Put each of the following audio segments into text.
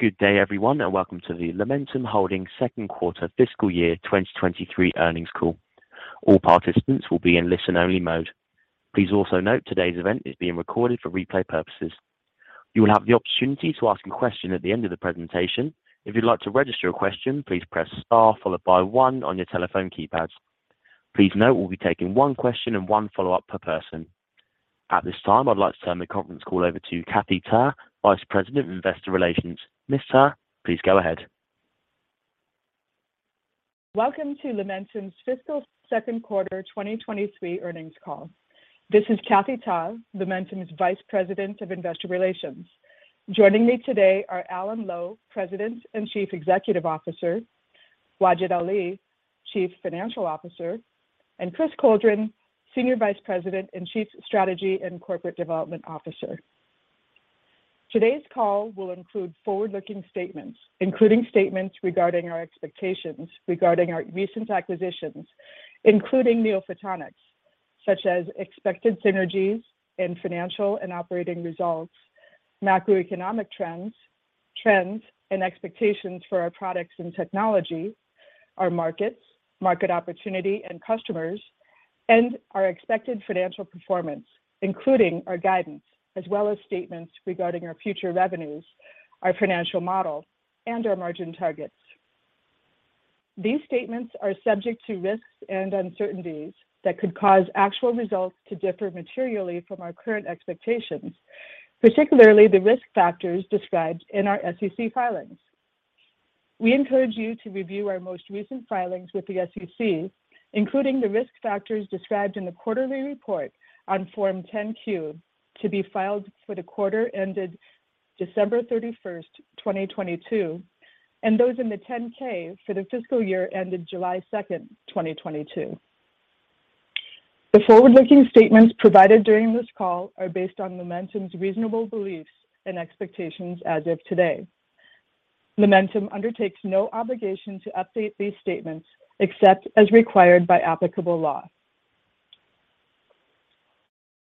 Good day everyone, and welcome to the Lumentum Holdings second quarter fiscal year 2023 earnings call. All participants will be in listen only mode. Please also note today's event is being recorded for replay purposes. You will have the opportunity to ask a question at the end of the presentation. If you'd like to register a question, please press Star followed by 1 on your telephone keypad. Please note we'll be taking 1 question and 1 follow-up per person. At this time, I'd like to turn the conference call over to Kathy Ta, Vice President of Investor Relations. Ms. Ta, please go ahead. Welcome to Lumentum's Fiscal 2nd Quarter 2023 earnings call. This is Kathy Ta, Lumentum's Vice President of Investor Relations. Joining me today are Alan Lowe, President and Chief Executive Officer, Wajid Ali, Chief Financial Officer, and Chris Coldren, Senior Vice President and Chief Strategy and Corporate Development Officer. Today's call will include forward-looking statements, including statements regarding our expectations regarding our recent acquisitions, including NeoPhotonics, such as expected synergies in financial and operating results, macroeconomic trends and expectations for our products and technology, our markets, market opportunity and customers, and our expected financial performance, including our guidance, as well as statements regarding our future revenues, our financial model, and our margin targets. These statements are subject to risks and uncertainties that could cause actual results to differ materially from our current expectations, particularly the risk factors described in our SEC filings. We encourage you to review our most recent filings with the SEC, including the risk factors described in the quarterly report on Form 10-Q to be filed for the quarter ended December 31, 2022, and those in the 10-K for the fiscal year ended July 2, 2022. The forward-looking statements provided during this call are based on Lumentum's reasonable beliefs and expectations as of today. Lumentum undertakes no obligation to update these statements except as required by applicable law.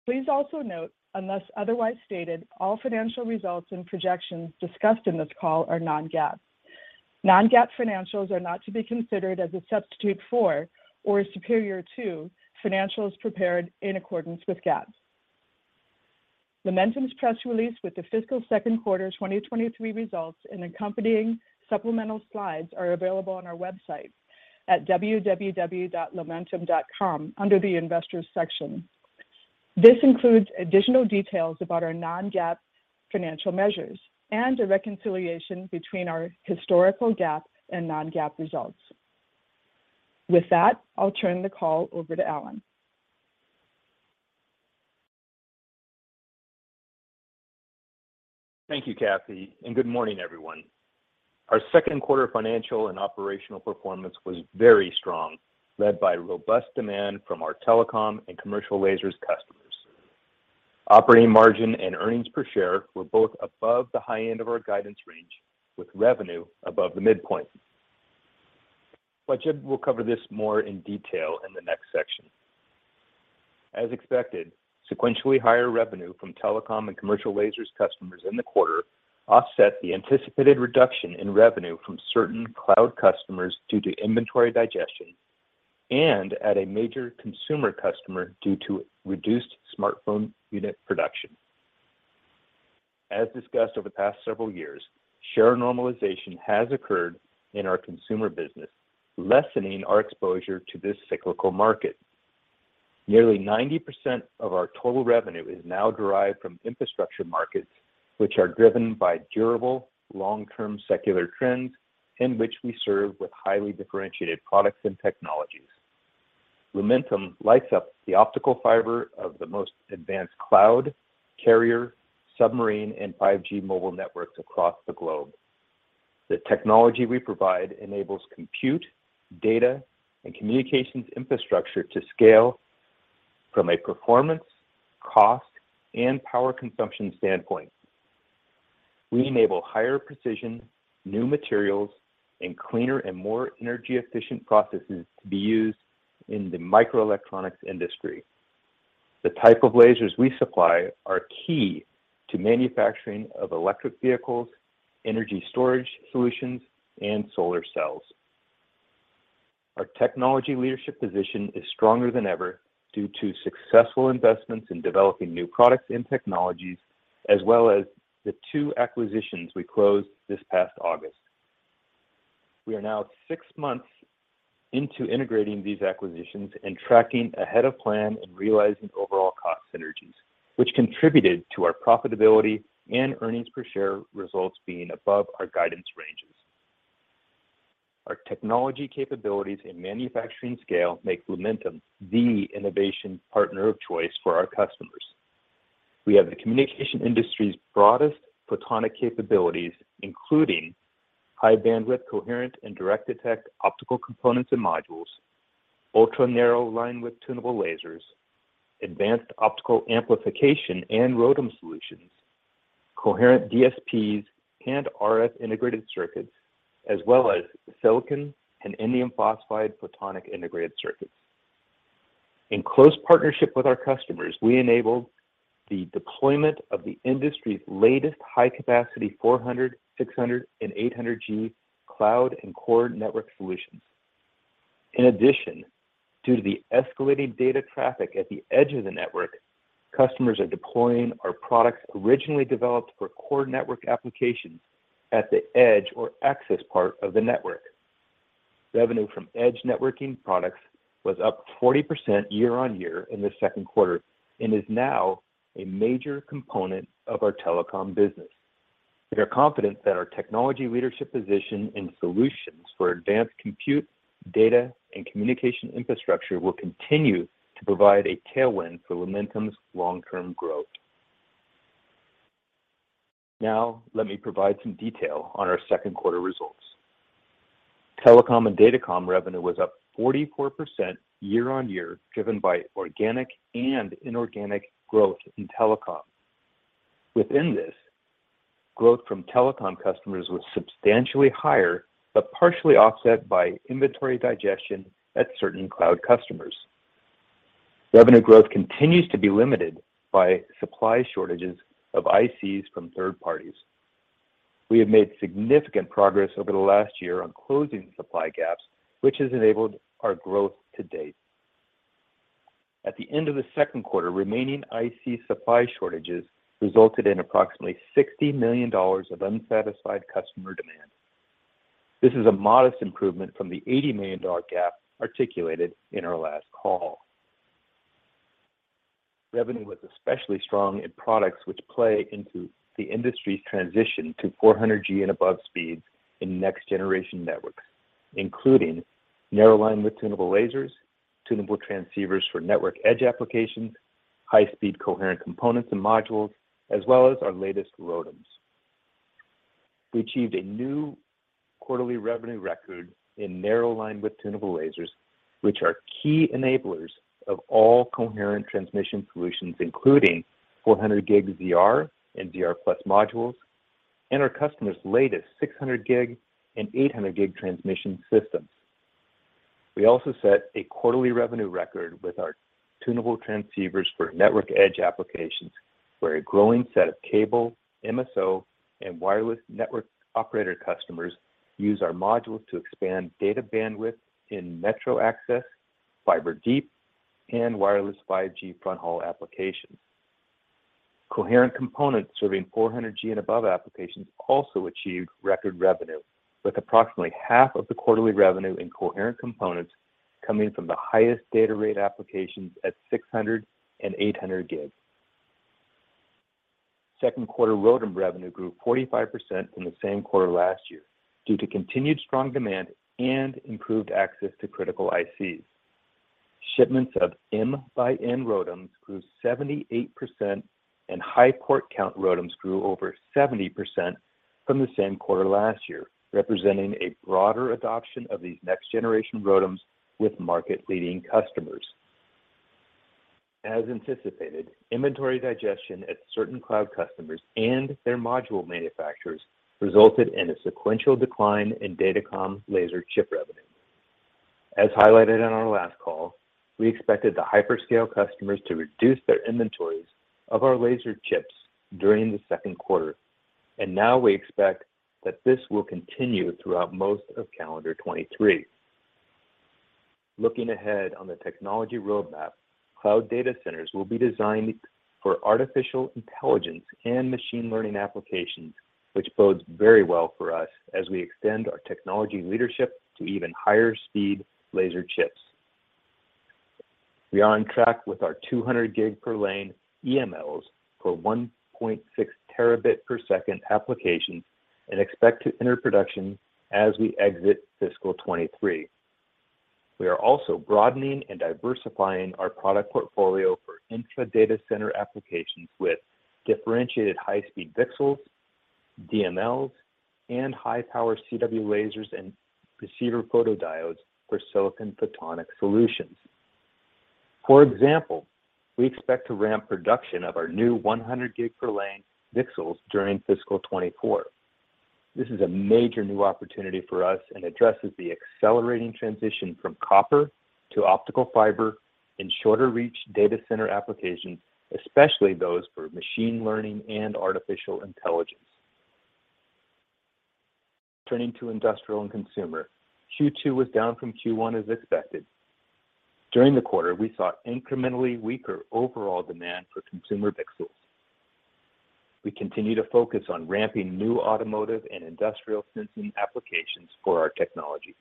Please also note, unless otherwise stated, all financial results and projections discussed in this call are non-GAAP. Non-GAAP financials are not to be considered as a substitute for or superior to financials prepared in accordance with GAAP. Lumentum's press release with the fiscal second quarter 2023 results and accompanying supplemental slides are available on our website at www.lumentum.com under the Investors section. This includes additional details about our non-GAAP financial measures and a reconciliation between our historical GAAP and non-GAAP results. With that, I'll turn the call over to Alan. Thank you, Kathy. Good morning, everyone. Our second quarter financial and operational performance was very strong, led by robust demand from our telecom and commercial lasers customers. Operating margin and earnings per share were both above the high end of our guidance range, with revenue above the midpoint. Wajid will cover this more in detail in the next section. As expected, sequentially higher revenue from telecom and commercial lasers customers in the quarter offset the anticipated reduction in revenue from certain cloud customers due to inventory digestion and at a major consumer customer due to reduced smartphone unit production. As discussed over the past several years, share normalization has occurred in our consumer business, lessening our exposure to this cyclical market. Nearly 90% of our total revenue is now derived from infrastructure markets, which are driven by durable, long-term secular trends in which we serve with highly differentiated products and technologies. Lumentum lights up the optical fiber of the most advanced cloud, carrier, submarine, and 5G mobile networks across the globe. The technology we provide enables compute, data, and communications infrastructure to scale from a performance, cost, and power consumption standpoint. We enable higher precision, new materials, and cleaner and more energy-efficient processes to be used in the microelectronics industry. The type of lasers we supply are key to manufacturing of electric vehicles, energy storage solutions, and solar cells. Our technology leadership position is stronger than ever due to successful investments in developing new products and technologies, as well as the two acquisitions we closed this past August. We are now six months into integrating these acquisitions and tracking ahead of plan and realizing overall cost synergies, which contributed to our profitability and earnings per share results being above our guidance ranges. Our technology capabilities and manufacturing scale make Lumentum the innovation partner of choice for our customers. We have the communication industry's broadest photonic capabilities, including high bandwidth coherent and direct detect optical components and modules, ultra-narrow linewidth tunable lasers, advanced optical amplification and ROADM solutions, coherent DSPs and RF integrated circuits, as well as silicon and indium phosphide photonic integrated circuits. In close partnership with our customers, we enabled the deployment of the industry's latest high-capacity 400G, 600G, and 800G cloud and core network solutions. In addition, due to the escalating data traffic at the edge of the network, customers are deploying our products originally developed for core network applications at the edge or access part of the network. Revenue from edge networking products was up 40% year-on-year in the second quarter and is now a major component of our telecom business. We are confident that our technology leadership position and solutions for advanced compute, data, and communication infrastructure will continue to provide a tailwind for Lumentum's long-term growth. Now let me provide some detail on our second quarter results. Telecom and Datacom revenue was up 44% year-on-year, driven by organic and inorganic growth in telecom. Within this, growth from telecom customers was substantially higher, but partially offset by inventory digestion at certain cloud customers. Revenue growth continues to be limited by supply shortages of ICs from third parties. We have made significant progress over the last year on closing supply gaps, which has enabled our growth to date. At the end of the second quarter, remaining IC supply shortages resulted in approximately $60 million of unsatisfied customer demand. This is a modest improvement from the $80 million gap articulated in our last call. Revenue was especially strong in products which play into the industry's transition to 400G and above speeds in next-generation networks, including narrow-linewidth tunable lasers, tunable transceivers for network edge applications, high-speed coherent components and modules, as well as our latest ROADMs. We achieved a new quarterly revenue record in narrow-linewidth tunable lasers, which are key enablers of all coherent transmission solutions, including 400G ZR and ZR+ modules and our customers' latest 600G and 800G transmission systems. We also set a quarterly revenue record with our tunable transceivers for network edge applications, where a growing set of cable, MSO, and wireless network operator customers use our modules to expand data bandwidth in metro access, fiber deep, and wireless 5G front haul applications. Coherent components serving 400G and above applications also achieved record revenue, with approximately half of the quarterly revenue in coherent components coming from the highest data rate applications at 600 and 800 gigs. Second quarter ROADM revenue grew 45% from the same quarter last year due to continued strong demand and improved access to critical ICs. Shipments of MxN ROADMs grew 78% and high port count ROADMs grew over 70% from the same quarter last year, representing a broader adoption of these next-generation ROADMs with market-leading customers. As anticipated, inventory digestion at certain cloud customers and their module manufacturers resulted in a sequential decline in Datacom laser chip revenue. As highlighted on our last call, we expected the hyperscale customers to reduce their inventories of our laser chips during the second quarter, and now we expect that this will continue throughout most of calendar 2023. Looking ahead on the technology roadmap, cloud data centers will be designed for artificial intelligence and machine learning applications, which bodes very well for us as we extend our technology leadership to even higher speed laser chips. We are on track with our 200 gig per lane EMLs for 1.6 terabit per second applications and expect to enter production as we exit fiscal 2023. We are also broadening and diversifying our product portfolio for intra-data center applications with differentiated high-speed VCSELs, DMLs, and high-power CW lasers and receiver photodiodes for silicon photonic solutions. For example, we expect to ramp production of our new 100 gig per lane VCSELs during fiscal 2024. This is a major new opportunity for us and addresses the accelerating transition from copper to optical fiber in shorter reach data center applications, especially those for machine learning and artificial intelligence. Turning to industrial and consumer, Q2 was down from Q1 as expected. During the quarter, we saw incrementally weaker overall demand for consumer VCSELs. We continue to focus on ramping new automotive and industrial sensing applications for our technology.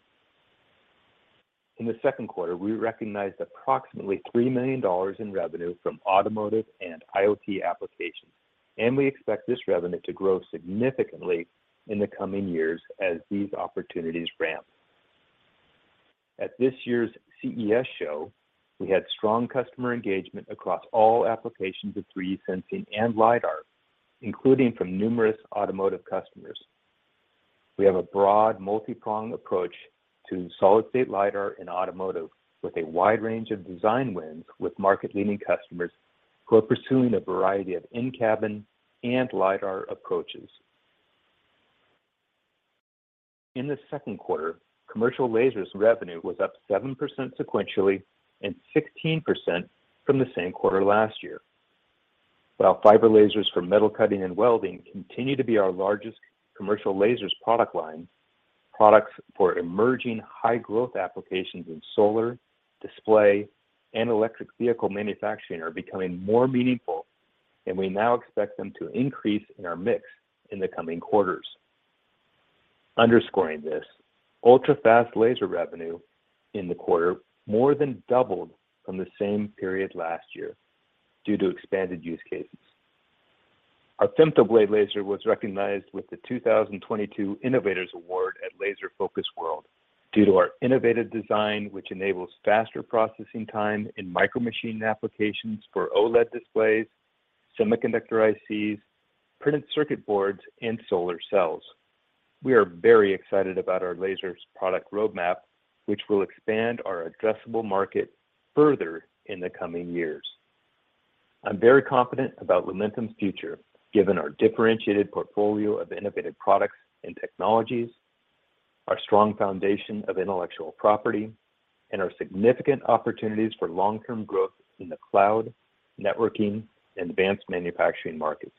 In the second quarter, we recognized approximately $3 million in revenue from automotive and IoT applications, and we expect this revenue to grow significantly in the coming years as these opportunities ramp. At this year's CES show, we had strong customer engagement across all applications of 3D sensing and LiDAR, including from numerous automotive customers. We have a broad, multi-pronged approach to solid-state LiDAR and automotive with a wide range of design wins with market-leading customers who are pursuing a variety of in-cabin and LiDAR approaches. In the second quarter, commercial lasers revenue was up 7% sequentially and 16% from the same quarter last year. While fiber lasers for metal cutting and welding continue to be our largest commercial lasers product line, products for emerging high growth applications in solar, display, and electric vehicle manufacturing are becoming more meaningful. We now expect them to increase in our mix in the coming quarters. Underscoring this, ultra-fast laser revenue in the quarter more than doubled from the same period last year due to expanded use cases. Our FemtoBlade laser was recognized with the 2022 Innovators Award at Laser Focus World due to our innovative design, which enables faster processing time in micro machining applications for OLED displays, semiconductor ICs, printed circuit boards, and solar cells. We are very excited about our lasers product roadmap, which will expand our addressable market further in the coming years. I'm very confident about Lumentum's future, given our differentiated portfolio of innovative products and technologies, our strong foundation of intellectual property, and our significant opportunities for long-term growth in the cloud, networking, and advanced manufacturing markets.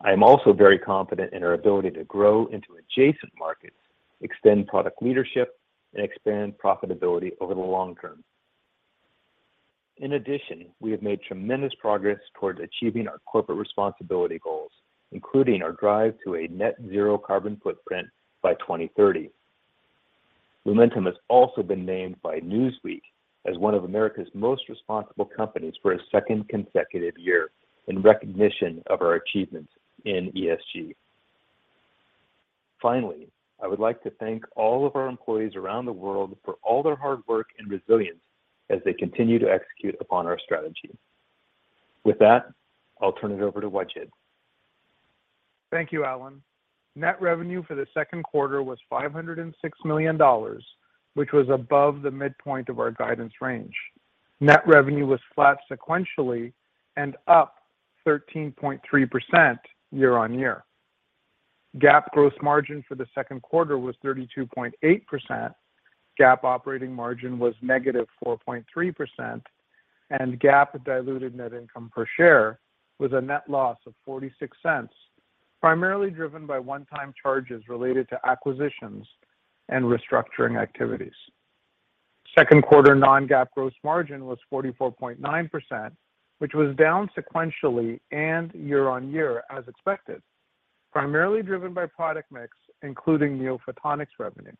I am also very confident in our ability to grow into adjacent markets, extend product leadership, and expand profitability over the long term. We have made tremendous progress towards achieving our corporate responsibility goals, including our drive to a net zero carbon footprint by 2030. Lumentum has also been named by Newsweek as one of America's most responsible companies for a second consecutive year in recognition of our achievements in ESG. I would like to thank all of our employees around the world for all their hard work and resilience as they continue to execute upon our strategy. With that, I'll turn it over to Wajid. Thank you, Alan. Net revenue for the second quarter was $506 million, which was above the midpoint of our guidance range. Net revenue was flat sequentially and up 13.3% year-on-year. GAAP gross margin for the second quarter was 32.8%, GAAP operating margin was -4.3%, and GAAP diluted net income per share was a net loss of $0.46, primarily driven by one-time charges related to acquisitions and restructuring activities. Second quarter non-GAAP gross margin was 44.9%, which was down sequentially and year-on-year as expected, primarily driven by product mix, including NeoPhotonics revenue.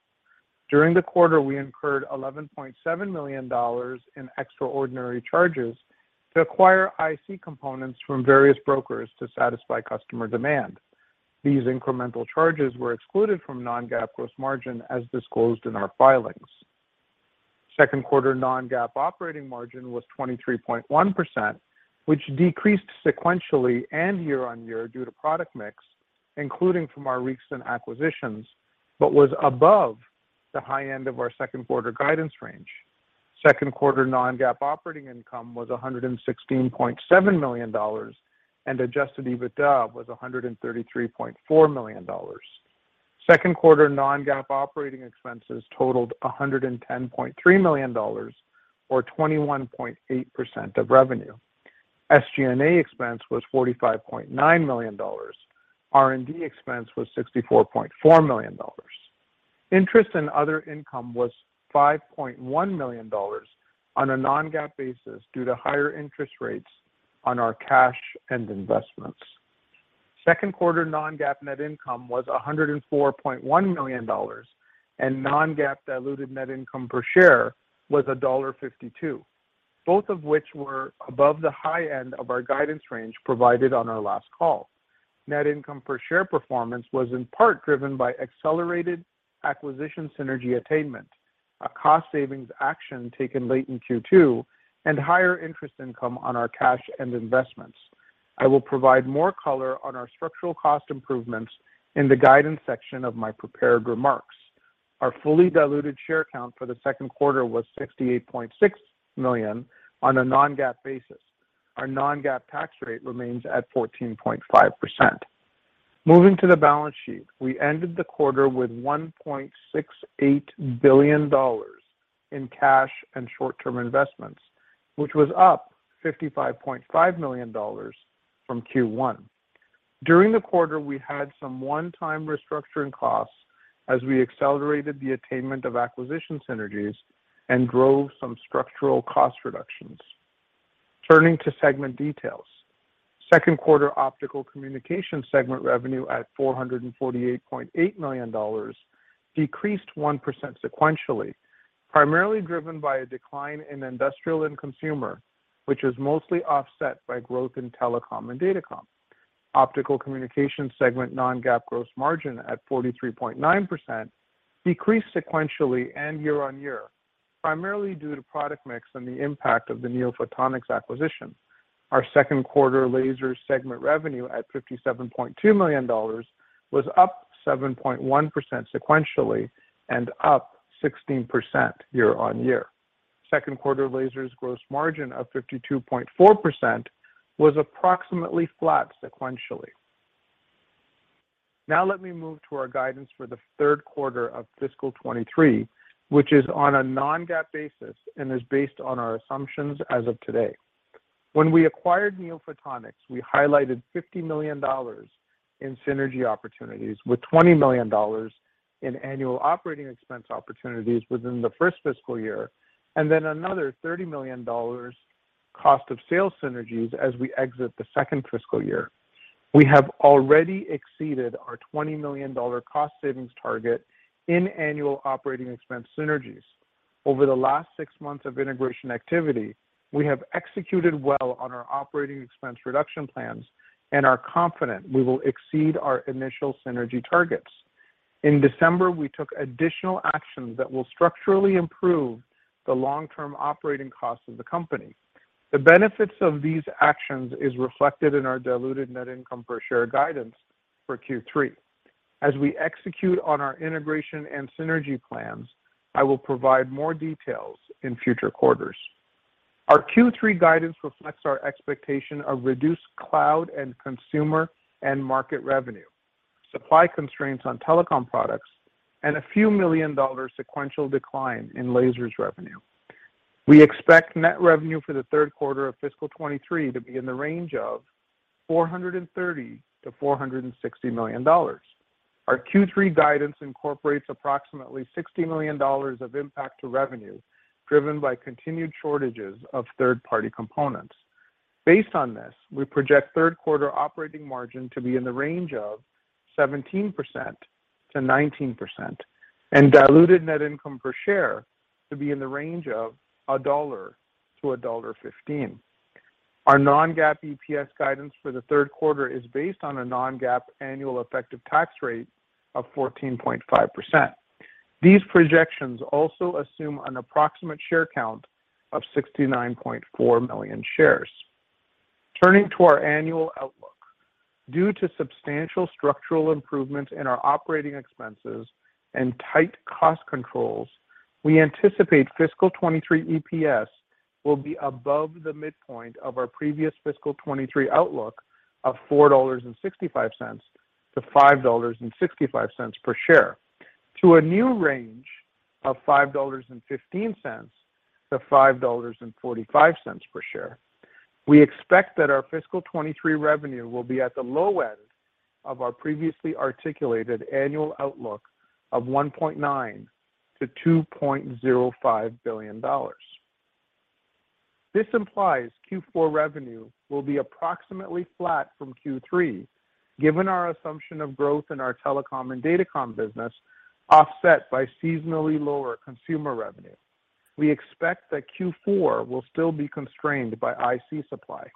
During the quarter, we incurred $11.7 million in extraordinary charges to acquire IC components from various brokers to satisfy customer demand. These incremental charges were excluded from non-GAAP gross margin as disclosed in our filings. Second quarter non-GAAP operating margin was 23.1%, which decreased sequentially and year-over-year due to product mix, including from our recent acquisitions, but was above the high end of our second quarter guidance range. Second quarter non-GAAP operating income was $116.7 million, and adjusted EBITDA was $133.4 million. Second quarter non-GAAP operating expenses totaled $110.3 million or 21.8% of revenue. SG&A expense was $45.9 million. R&D expense was $64.4 million. Interest and other income was $5.1 million on a non-GAAP basis due to higher interest rates on our cash and investments. Second quarter non-GAAP net income was $104.1 million, and non-GAAP diluted net income per share was $1.52, both of which were above the high end of our guidance range provided on our last call. Net income per share performance was in part driven by accelerated acquisition synergy attainment, a cost savings action taken late in Q2, and higher interest income on our cash and investments. I will provide more color on our structural cost improvements in the guidance section of my prepared remarks. Our fully diluted share count for the second quarter was 68.6 million on a non-GAAP basis. Our non-GAAP tax rate remains at 14.5%. Moving to the balance sheet, we ended the quarter with $1.68 billion in cash and short-term investments, which was up $55.5 million from Q1. During the quarter, we had some one-time restructuring costs as we accelerated the attainment of acquisition synergies and drove some structural cost reductions. Turning to segment details. Second quarter Optical Communications segment revenue at $448.8 million decreased 1% sequentially, primarily driven by a decline in industrial and consumer, which is mostly offset by growth in telecom and datacom. Optical Communications segment non-GAAP gross margin at 43.9% decreased sequentially and year-on-year, primarily due to product mix and the impact of the NeoPhotonics acquisition. Our second quarter laser segment revenue at $57.2 million was up 7.1% sequentially and up 16% year-on-year. Second quarter laser's gross margin of 52.4% was approximately flat sequentially. Let me move to our guidance for the third quarter of fiscal 23, which is on a non-GAAP basis and is based on our assumptions as of today. When we acquired NeoPhotonics, we highlighted $50 million in synergy opportunities with $20 million in annual operating expense opportunities within the first fiscal year, and then another $30 million cost of sales synergies as we exit the second fiscal year. We have already exceeded our $20 million cost savings target in annual operating expense synergies. Over the last six months of integration activity, we have executed well on our operating expense reduction plans and are confident we will exceed our initial synergy targets. In December, we took additional actions that will structurally improve the long-term operating costs of the company. The benefits of these actions is reflected in our diluted net income per share guidance for Q3. As we execute on our integration and synergy plans, I will provide more details in future quarters. Our Q3 guidance reflects our expectation of reduced cloud and consumer end market revenue, supply constraints on telecom products, and a few million dollar sequential decline in lasers revenue. We expect net revenue for the third quarter of fiscal 2023 to be in the range of $430 million-$460 million. Our Q3 guidance incorporates approximately $60 million of impact to revenue, driven by continued shortages of third-party components. Based on this, we project third quarter operating margin to be in the range of 17%-19% and diluted net income per share to be in the range of $1.00-$1.15. Our non-GAAP EPS guidance for the third quarter is based on a non-GAAP annual effective tax rate of 14.5%. These projections also assume an approximate share count of 69.4 million shares. Turning to our annual outlook. Due to substantial structural improvement in our operating expenses and tight cost controls, we anticipate fiscal 23 EPS will be above the midpoint of our previous fiscal 23 outlook of $4.65-$5.65 per share to a new range of $5.15-$5.45 per share. We expect that our fiscal 23 revenue will be at the low end of our previously articulated annual outlook of $1.9 billion-$2.05 billion. This implies Q4 revenue will be approximately flat from Q3, given our assumption of growth in our telecom and datacom business, offset by seasonally lower consumer revenue. We expect that Q4 will be still be constrained by IC supply.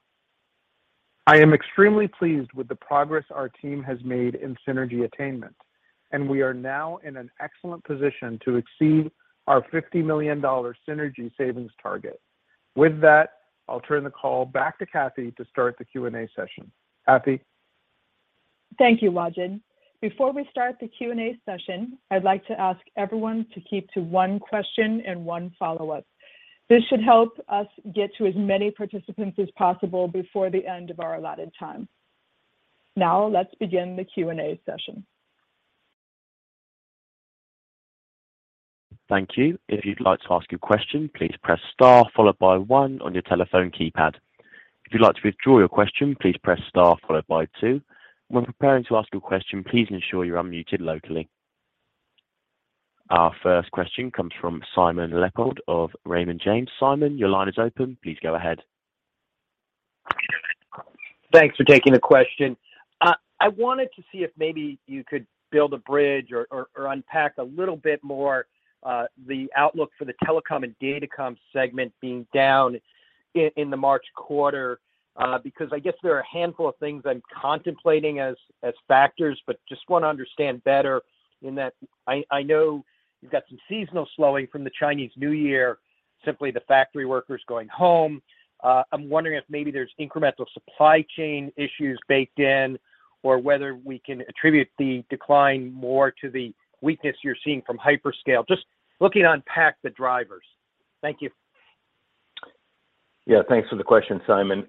I am extremely pleased with the progress our team has made in synergy attainment, and we are now in an excellent position to exceed our $50 million synergy savings target. With that, I'll turn the call back to Kathy to start the Q&A session. Kathy? Thank you, Wajid. Before we start the Q&A session, I'd like to ask everyone to keep to one question and one follow-up. This should help us get to as many participants as possible before the end of our allotted time. Now let's begin the Q&A session. Thank you. If you'd like to ask a question, please press star followed by one on your telephone keypad. If you'd like to withdraw your question, please press star followed by two. When preparing to ask a question, please ensure you're unmuted locally. Our first question comes from Simon Leopold of Raymond James. Simon, your line is open. Please go ahead. Thanks for taking the question. I wanted to see if maybe you could build a bridge or unpack a little bit more, the outlook for the telecom and datacom segment being down in the March quarter, because I guess there are a handful of things I'm contemplating as factors, but just wanna understand better in that I know you've got some seasonal slowing from the Chinese New Year, simply the factory workers going home. I'm wondering if maybe there's incremental supply chain issues baked in, or whether we can attribute the decline more to the weakness you're seeing from hyperscale. Just looking to unpack the drivers. Thank you. Yeah. Thanks for the question, Simon.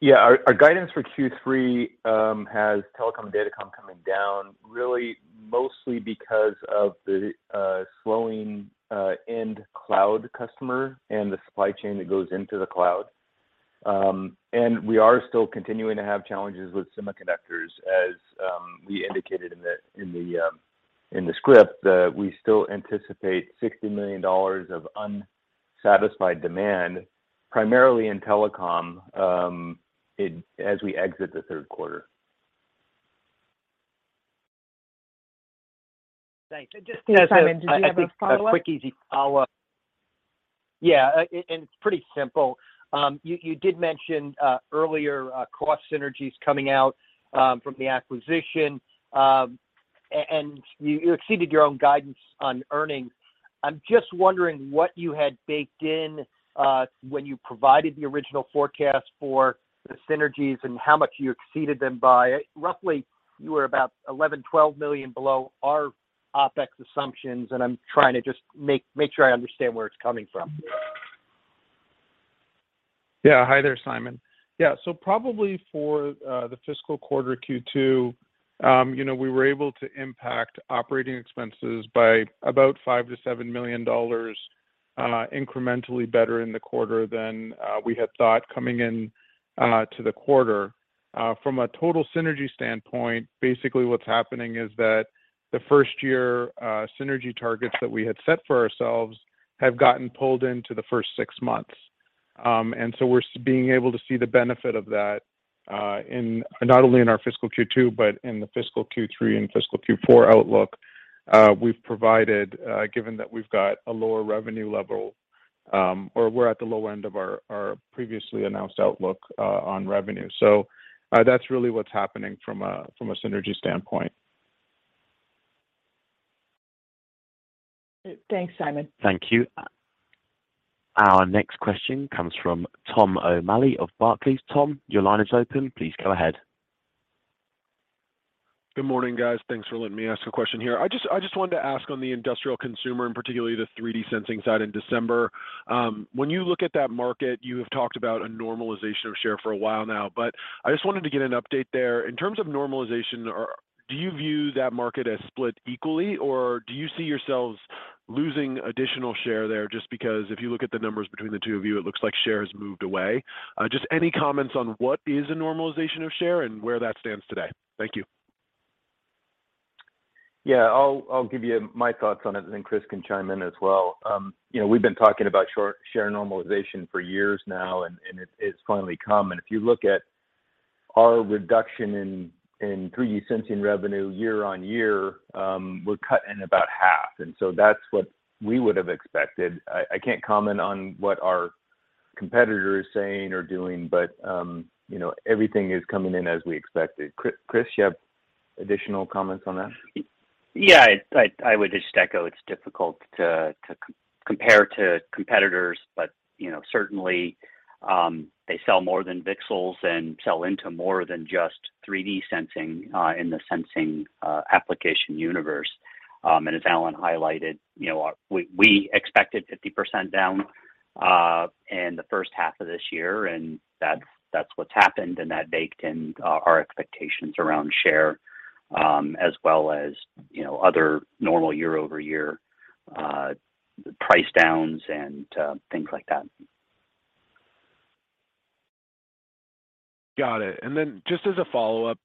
Yeah, our guidance for Q3 has telecom and datacom coming down really mostly because of the slowing end cloud customer and the supply chain that goes into the cloud. We are still continuing to have challenges with semiconductors, as we indicated in the script, that we still anticipate $60 million of unsatisfied demand, primarily in telecom, as we exit the third quarter. Thanks. Just, Simon, did you have a follow-up? I have a quick, easy follow-up. It's pretty simple. You did mention earlier cost synergies coming out from the acquisition, and you exceeded your own guidance on earnings. I'm just wondering what you had baked in when you provided the original forecast for the synergies and how much you exceeded them by. Roughly, you were about $11 million, $12 million below our OpEx assumptions, and I'm trying to just make sure I understand where it's coming from. Yeah. Hi there, Simon. Yeah, probably for the fiscal quarter Q2, you know, we were able to impact operating expenses by about $5 million-$7 million incrementally better in the quarter than we had thought coming in to the quarter. From a total synergy standpoint, basically what's happening is that the first year synergy targets that we had set for ourselves have gotten pulled into the first six months. We're being able to see the benefit of that in not only in our fiscal Q2, but in the fiscal Q3 and fiscal Q4 outlook we've provided given that we've got a lower revenue level, or we're at the low end of our previously announced outlook on revenue. That's really what's happening from a synergy standpoint. Thanks, Simon. Thank you. Our next question comes from Tom O'Malley of Barclays. Tom, your line is open. Please go ahead. Good morning, guys. Thanks for letting me ask a question here. I just wanted to ask on the industrial consumer, and particularly the 3D sensing side in December. When you look at that market, you have talked about a normalization of share for a while now, I just wanted to get an update there. In terms of normalization, or do you view that market as split equally, or do you see yourselves losing additional share there? Just because if you look at the numbers between the two of you, it looks like share has moved away. Just any comments on what is a normalization of share and where that stands today. Thank you. Yeah, I'll give you my thoughts on it, then Chris can chime in as well. you know, we've been talking about share normalization for years now, and it's finally come. If you look at our reduction in 3D sensing revenue year-on-year, we're cut in about half, that's what we would have expected. I can't comment on what our competitor is saying or doing, you know, everything is coming in as we expected. Chris, you have additional comments on that? I would just echo it's difficult to compare to competitors, you know, certainly, they sell more than VCSELs and sell into more than just 3D sensing in the sensing application universe. As Alan highlighted, you know, we expected 50% down in the first half of this year, and that's what's happened, and that baked in our expectations around share, as well as, you know, other normal year-over-year price downs and things like that. Got it. Just as a follow-up,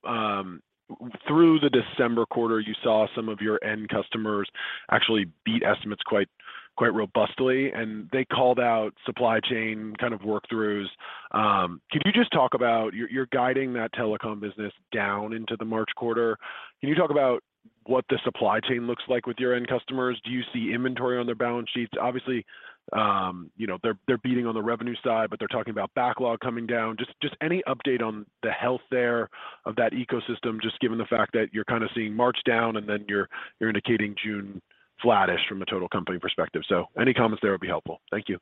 through the December quarter, you saw some of your end customers actually beat estimates quite robustly, and they called out supply chain kind of work-throughs. Could you just talk about you're guiding that telecom business down into the March quarter. Can you talk about what the supply chain looks like with your end customers? Do you see inventory on their balance sheets? Obviously, you know, they're beating on the revenue side, but they're talking about backlog coming down. Just any update on the health there of that ecosystem, just given the fact that you're kind of seeing March down and then you're indicating June flattish from a total company perspective. Any comments there would be helpful. Thank you.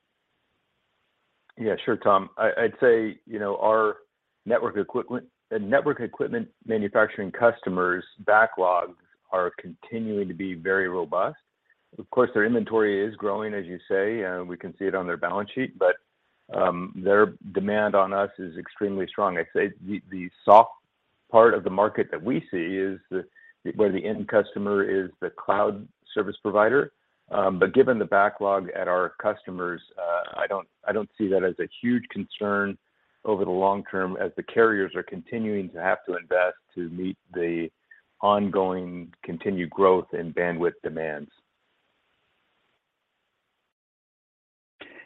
Yeah, sure, Tom. I'd say, you know, our network equipment and network equipment manufacturing customers' backlogs are continuing to be very robust. Of course, their inventory is growing, as you say, we can see it on their balance sheet, but their demand on us is extremely strong. I'd say the soft part of the market that we see is the, where the end customer is the cloud service provider. Given the backlog at our customers, I don't see that as a huge concern over the long term as the carriers are continuing to have to invest to meet the ongoing continued growth in bandwidth demands.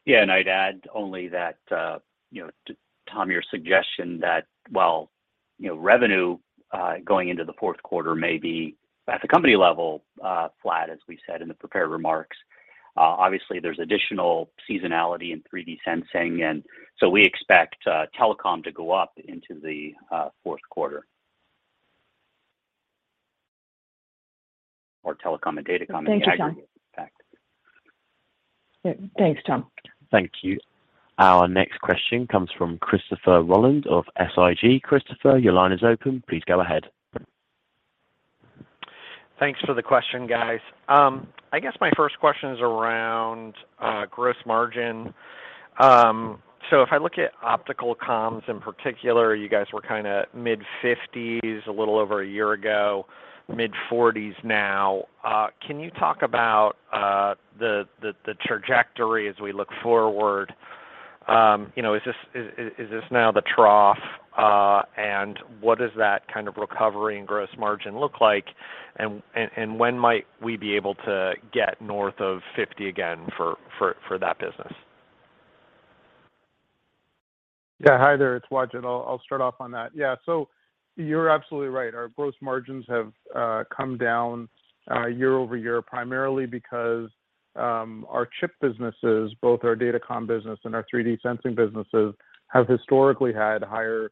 Yeah. I'd add only that, you know, Tom, your suggestion that while, you know, revenue, going into the fourth quarter may be at the company level, flat, as we said in the prepared remarks, obviously there's additional seasonality in 3D sensing. We expect telecom to go up into the fourth quarter. Telecom and data comm in the aggregate. Thank you, Tom. Thanks, Tom. Thank you. Our next question comes from Christopher Rolland of SIG. Christopher, your line is open. Please go ahead. Thanks for the question, guys. I guess my first question is around gross margin. If I look at OpComm in particular, you guys were kinda mid-50s a little over a year ago, mid-40s now. Can you talk about the trajectory as we look forward? you know, is this now the trough? What does that kind of recovery and gross margin look like and when might we be able to get north of 50% again for that business? Yeah. Hi there. It's Wajid. I'll start off on that. Yeah. You're absolutely right. Our gross margins have come down year over year, primarily because our chip businesses, both our data comm business and our 3D sensing businesses, have historically had higher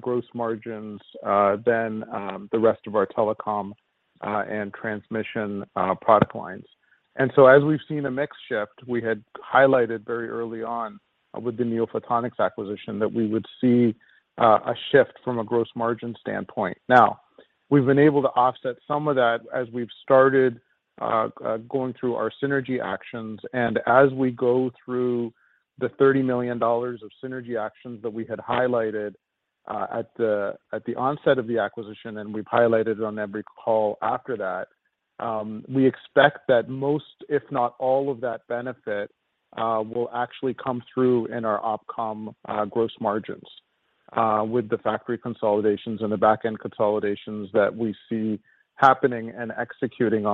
gross margins than the rest of our telecom and transmission product lines. As we've seen a mix shift, we had highlighted very early on with the NeoPhotonics acquisition that we would see a shift from a gross margin standpoint. We've been able to offset some of that as we've started going through our synergy actions. As we go through the $30 million of synergy actions that we had highlighted, at the onset of the acquisition and we've highlighted on every call after that, we expect that most, if not all of that benefit, will actually come through in our OpComm, gross margins, with the factory consolidations and the back-end consolidations that we see happening and executing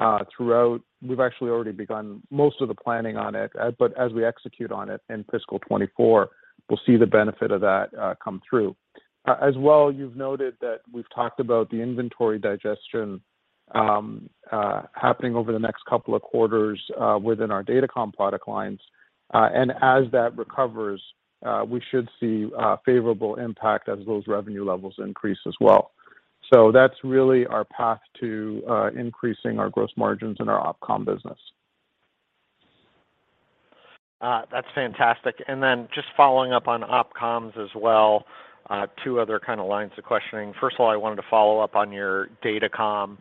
on, throughout. We've actually already begun most of the planning on it. As we execute on it in fiscal 2024, we'll see the benefit of that, come through. As well, you've noted that we've talked about the inventory digestion, happening over the next couple of quarters, within our Datacom product lines. As that recovers, we should see a favorable impact as those revenue levels increase as well. That's really our path to increasing our gross margins in our OpComm business. That's fantastic. Just following up on OpComm as well, two other kind of lines of questioning. First of all, I wanted to follow up on your Datacom.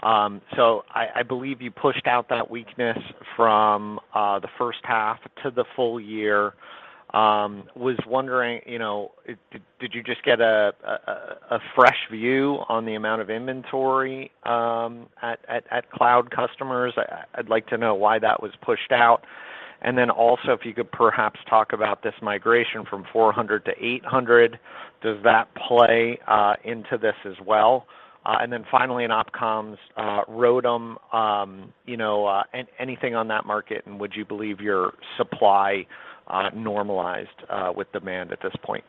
I believe you pushed out that weakness from the first half to the full year. Was wondering, you know, did you just get a fresh view on the amount of inventory at cloud customers? I'd like to know why that was pushed out. Also if you could perhaps talk about this migration from 400 to 800, does that play into this as well? Finally in OpComm's ROADM, you know, anything on that market, and would you believe your supply normalized with demand at this point?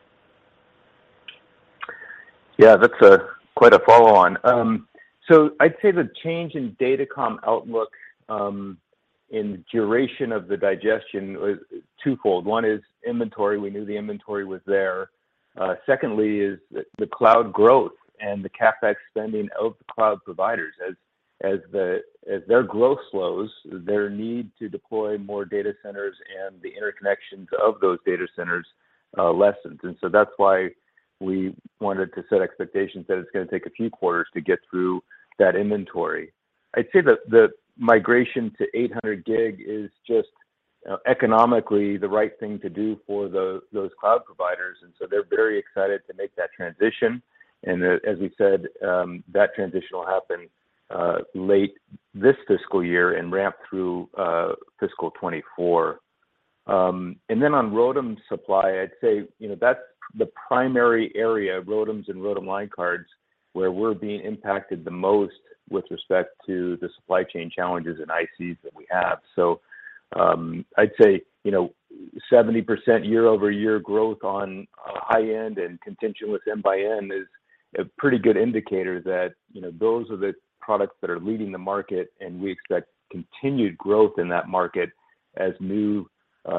Yeah, that's a quite a follow on. I'd say the change in Datacom outlook, in duration of the digestion is twofold. One is inventory. We knew the inventory was there. Secondly is the cloud growth and the CapEx spending of the cloud providers. As their growth slows, their need to deploy more data centers and the interconnections of those data centers, lessens. That's why we wanted to set expectations that it's gonna take a few quarters to get through that inventory. I'd say that the migration to 800 gig is just economically the right thing to do for those cloud providers. They're very excited to make that transition. As we said, that transition will happen late this fiscal year and ramp through fiscal 2024. On ROADM supply, I'd say, you know, that's the primary area, ROADMs and ROADM line cards, where we're being impacted the most with respect to the supply chain challenges and ICs that we have. I'd say, you know, 70% year-over-year growth on high end and contingent with N by N is a pretty good indicator that, you know, those are the products that are leading the market, and we expect continued growth in that market as new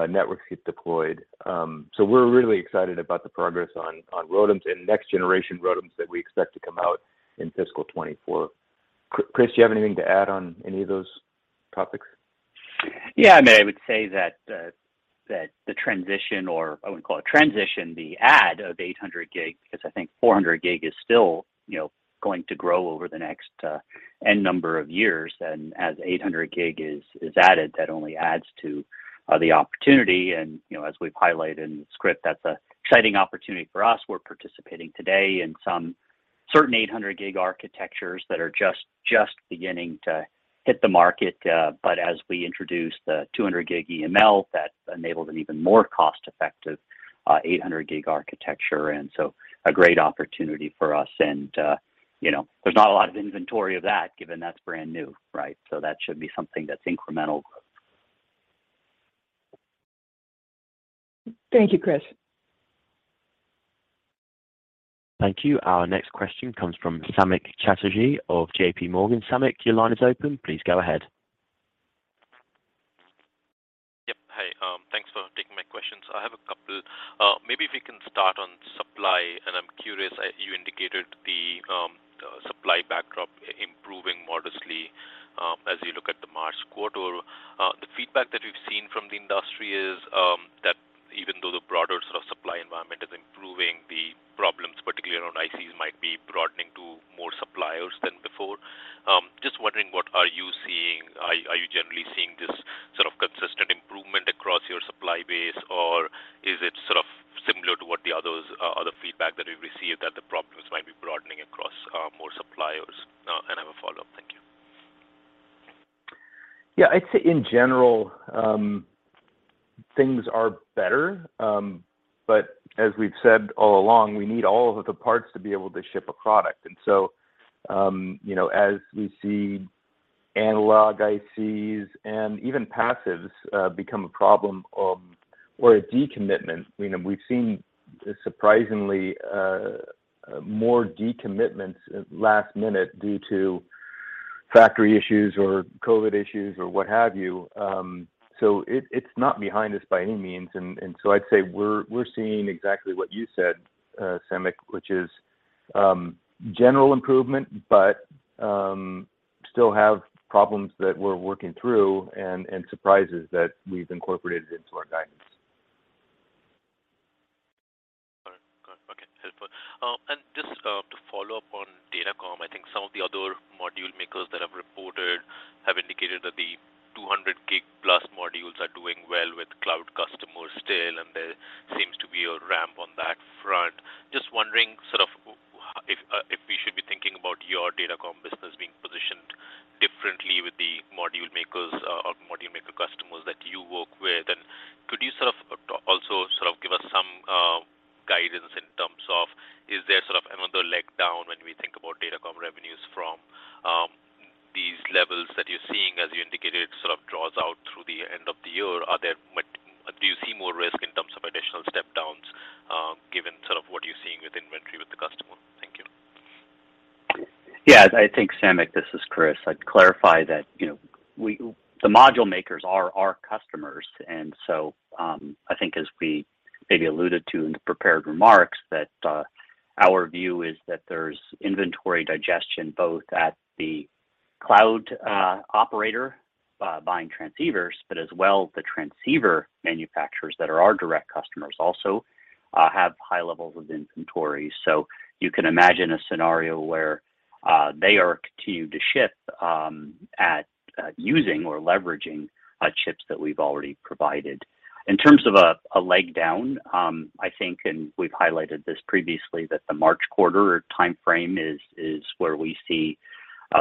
networks get deployed. We're really excited about the progress on ROADMs and next generation ROADMs that we expect to come out in fiscal 2024. Chris, do you have anything to add on any of those topics? I mean, I would say that the transition or I wouldn't call it transition, the add of 800 gig, because I think 400 gig is still, you know, going to grow over the next N number of years. As 800 gig is added, that only adds to the opportunity. You know, as we've highlighted in the script, that's an exciting opportunity for us. We're participating today in some certain 800 gig architectures that are just beginning to hit the market. As we introduce the 200 gig EML, that enables an even more cost effective 800 gig architecture, a great opportunity for us. You know, there's not a lot of inventory of that, given that's brand new, right? That should be something that's incremental. Thank you, Chris. Thank you. Our next question comes from Samik Chatterjee of J.P.Morgan. Samik, your line is open. Please go ahead. Yep. Hey, thanks for taking my questions. I have a couple. Maybe if we can start on supply, I'm curious, you indicated the supply backdrop improving modestly, as you look at the March quarter. The feedback that we've seen from the industry is that even though the broader sort of supply environment is improving, the problems, particularly around ICs, might be broadening to more suppliers than before. Just wondering what are you seeing? Are you generally seeing this sort of consistent improvement across your supply base, or is it sort of similar to what the other feedback that we've received that the problems might be broadening across more suppliers? I have a follow-up. Thank you. I'd say in general, things are better. As we've said all along, we need all of the parts to be able to ship a product. As we see analog ICs and even passives, become a problem, or a decommitment, you know, we've seen surprisingly, more decommitments last minute due to factory issues or COVID issues or what have you. It's not behind us by any means. I'd say we're seeing exactly what you said, Samik, which is general improvement, but still have problems that we're working through and surprises that we've incorporated into our guidance. Got it. Got it. Okay. Helpful. Just to follow up on Datacom, I think some of the other module makers that have reported have indicated that the 200 gig plus modules are doing well with cloud customers still, and there seems to be a ramp on that front. Just wondering sort of if we should be thinking about your Datacom business being positioned differently with the module makers or module maker customers that you work with. Could you also sort of give us some guidance in terms of is there sort of another leg down when we think about Datacom revenues from these levels that you're seeing as you indicated, sort of draws out through the end of the year? Do you see more risk in terms of additional step downs, given sort of what you're seeing with inventory with the customer? Thank you. Yeah. I think, Samik, this is Chris. I'd clarify that, you know, the module makers are our customers. I think as we maybe alluded to in the prepared remarks that our view is that there's inventory digestion both at the cloud operator buying transceivers, but as well, the transceiver manufacturers that are our direct customers also have high levels of inventory. You can imagine a scenario where they are continued to ship at using or leveraging chips that we've already provided. In terms of a leg down, I think, and we've highlighted this previously, that the March quarter timeframe is where we see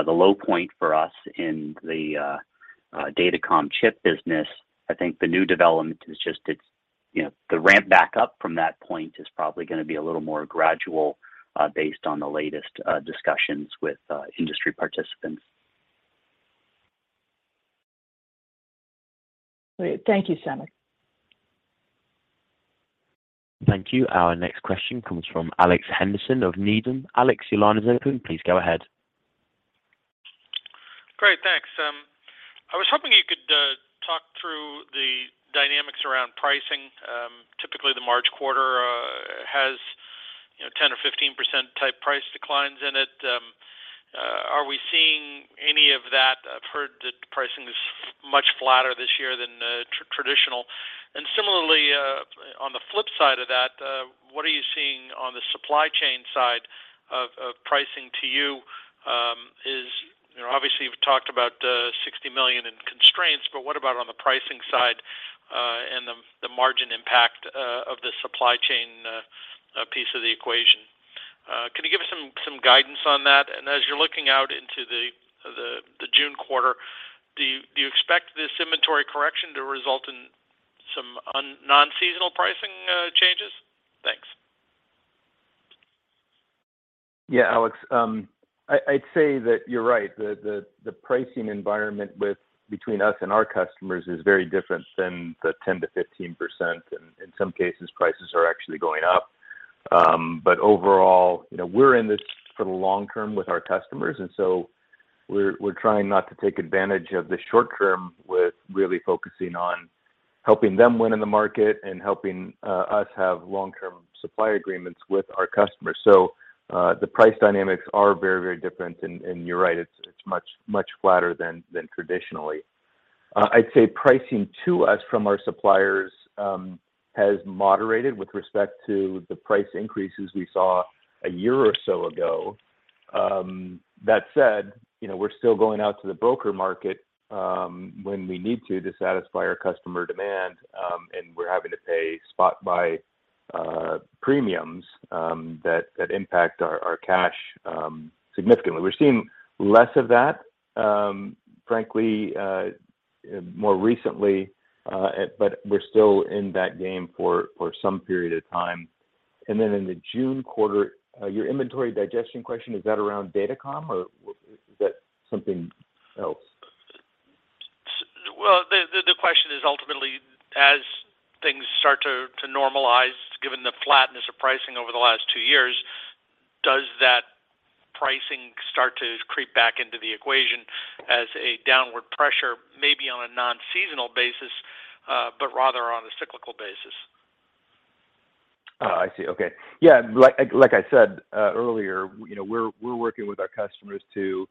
the low point for us in the Datacom chip business. I think the new development is just it's, you know, the ramp back up from that point is probably gonna be a little more gradual, based on the latest, discussions with, industry participants. Thank you, Samik. Thank you. Our next question comes from Alex Henderson of Needham. Alex, your line is open. Please go ahead. Great. Thanks. I was hoping you could talk through the dynamics around pricing. Typically the March quarter has, you know, 10% or 15% type price declines in it. Are we seeing any of that? I've heard that the pricing is much flatter this year than traditional. Similarly, on the flip side of that, what are you seeing on the supply chain side of pricing to you? You know, obviously, you've talked about $60 million in constraints, but what about on the pricing side, and the margin impact of the supply chain piece of the equation? Can you give us some guidance on that? As you're looking out into the June quarter, do you expect this inventory correction to result in some non-seasonal pricing changes? Thanks. Yeah, Alex. I'd say that you're right. The pricing environment with between us and our customers is very different than the 10%-15%, in some cases, prices are actually going up. Overall, you know, we're in this for the long term with our customers, we're trying not to take advantage of the short term with really focusing on helping them win in the market and helping us have long-term supply agreements with our customers. The price dynamics are very, very different. You're right, it's much, much flatter than traditionally. I'd say pricing to us from our suppliers has moderated with respect to the price increases we saw a year or so ago. That said, you know, we're still going out to the broker market, when we need to satisfy our customer demand, and we're having to pay spot buy premiums, that impact our cash significantly. We're seeing less of that, frankly, more recently, but we're still in that game for some period of time. In the June quarter, your inventory digestion question, is that around Datacom, or is that something else? Well, the question is ultimately, as things start to normalize, given the flatness of pricing over the last two years, does that pricing start to creep back into the equation as a downward pressure, maybe on a non-seasonal basis, but rather on a cyclical basis? I see. Okay. Yeah. Like I said, you know, we're working with our customers to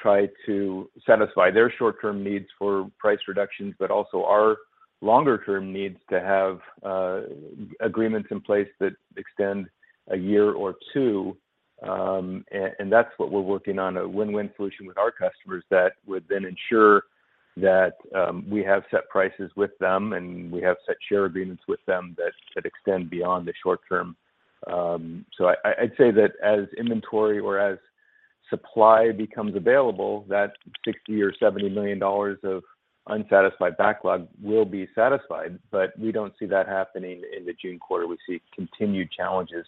try to satisfy their short-term needs for price reductions, but also our longer term needs to have agreements in place that extend a year or two. That's what we're working on, a win-win solution with our customers that would then ensure that we have set prices with them and we have set share agreements with them that extend beyond the short term. I'd say that as inventory or as supply becomes available, that $60 million-$70 million of unsatisfied backlog will be satisfied, but we don't see that happening in the June quarter. We see continued challenges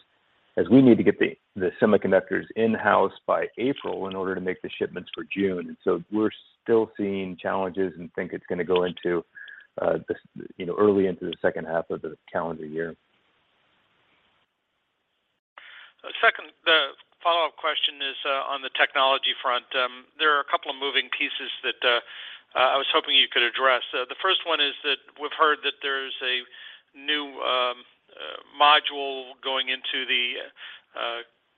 as we need to get the semiconductors in-house by April in order to make the shipments for June. We're still seeing challenges and think it's gonna go into this, you know, early into the second half of the calendar year. The follow-up question is on the technology front. There are a couple of moving pieces that I was hoping you could address. The first one is that we've heard that there's a new module going into the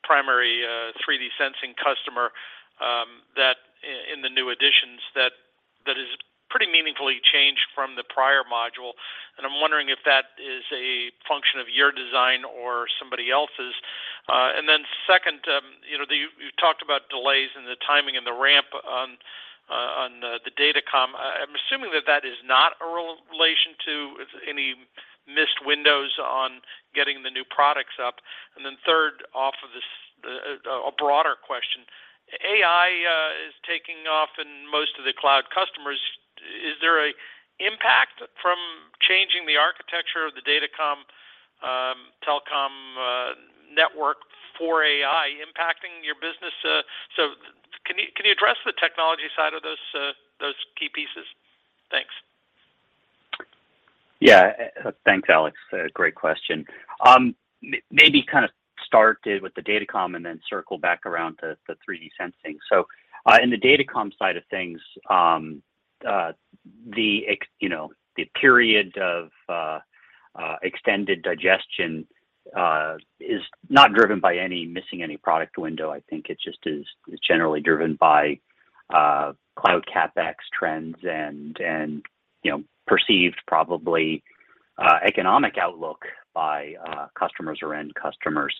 primary 3D sensing customer. New additions that is pretty meaningfully changed from the prior module. I'm wondering if that is a function of your design or somebody else's? Then second, you know, you talked about delays in the timing and the ramp on the datacom. I'm assuming that that is not a relation to any missed windows on getting the new products up. Then third off of this, a broader question. AI is taking off in most of the cloud customers. Is there a impact from changing the architecture of the Datacom, telecom, network for AI impacting your business? Can you address the technology side of those key pieces? Thanks. Yeah. Thanks, Alex. Great question. maybe kind of start with the Datacom and then circle back around to the 3D sensing. In the Datacom side of things, you know, the period of extended digestion is not driven by any missing any product window. I think it just is generally driven by cloud CapEx trends and, you know, perceived probably economic outlook by customers or end customers.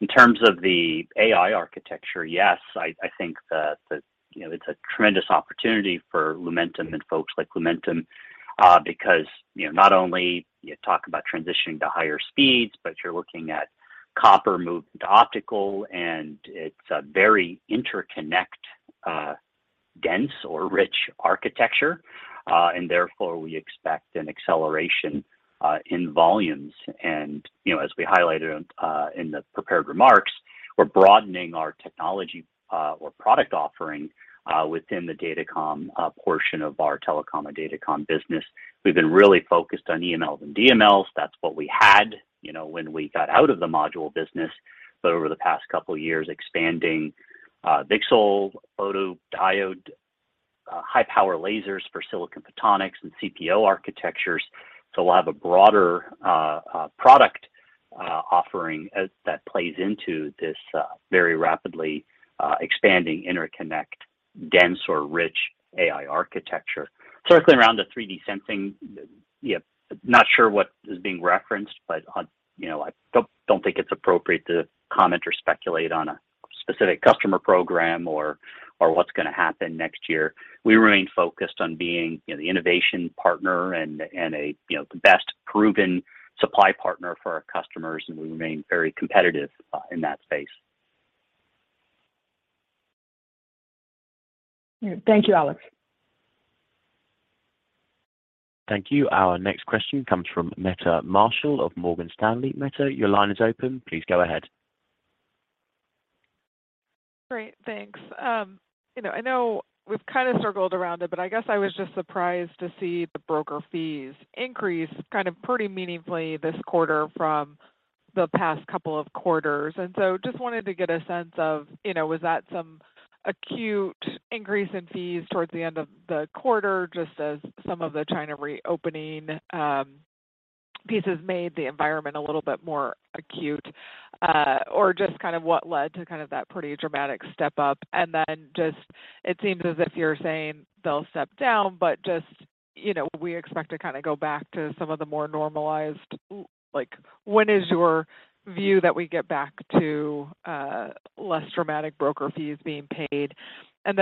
In terms of the AI architecture, yes, I think that, you know, it's a tremendous opportunity for Lumentum and folks like Lumentum, because, you know, not only you talk about transitioning to higher speeds, but you're looking at copper movement optical, and it's a very interconnect dense or rich architecture, and therefore we expect an acceleration in volumes. You know, as we highlighted, in the prepared remarks, we're broadening our technology or product offering within the Datacom portion of our telecom and Datacom business. We've been really focused on EMLs and DMLs. That's what we had, you know, when we got out of the module business. Over the past couple of years, expanding VCSEL photo diode, high power lasers for silicon photonics and CPO architectures. We'll have a broader product offering as that plays into this very rapidly expanding interconnect dense or rich AI architecture. Circling around the 3D sensing, yeah, not sure what is being referenced, but, you know, I don't think it's appropriate to comment or speculate on a specific customer program or what's gonna happen next year. We remain focused on being, you know, the innovation partner and a, you know, the best proven supply partner for our customers, and we remain very competitive in that space. Thank you, Alex. Thank you. Our next question comes from Meta Marshall of Morgan Stanley. Mehta, your line is open. Please go ahead. Great. Thanks. You know, I know we've kinda circled around it, but I guess I was just surprised to see the broker fees increase kind of pretty meaningfully this quarter from the past couple of quarters. Just wanted to get a sense of, you know, was that some acute increase in fees towards the end of the quarter, just as some of the China reopening, pieces made the environment a little bit more acute, or just kind of what led to kind of that pretty dramatic step up. Then just it seems as if you're saying they'll step down, but just, you know, we expect to kinda go back to some of the more normalized. Like, when is your view that we get back to less dramatic broker fees being paid?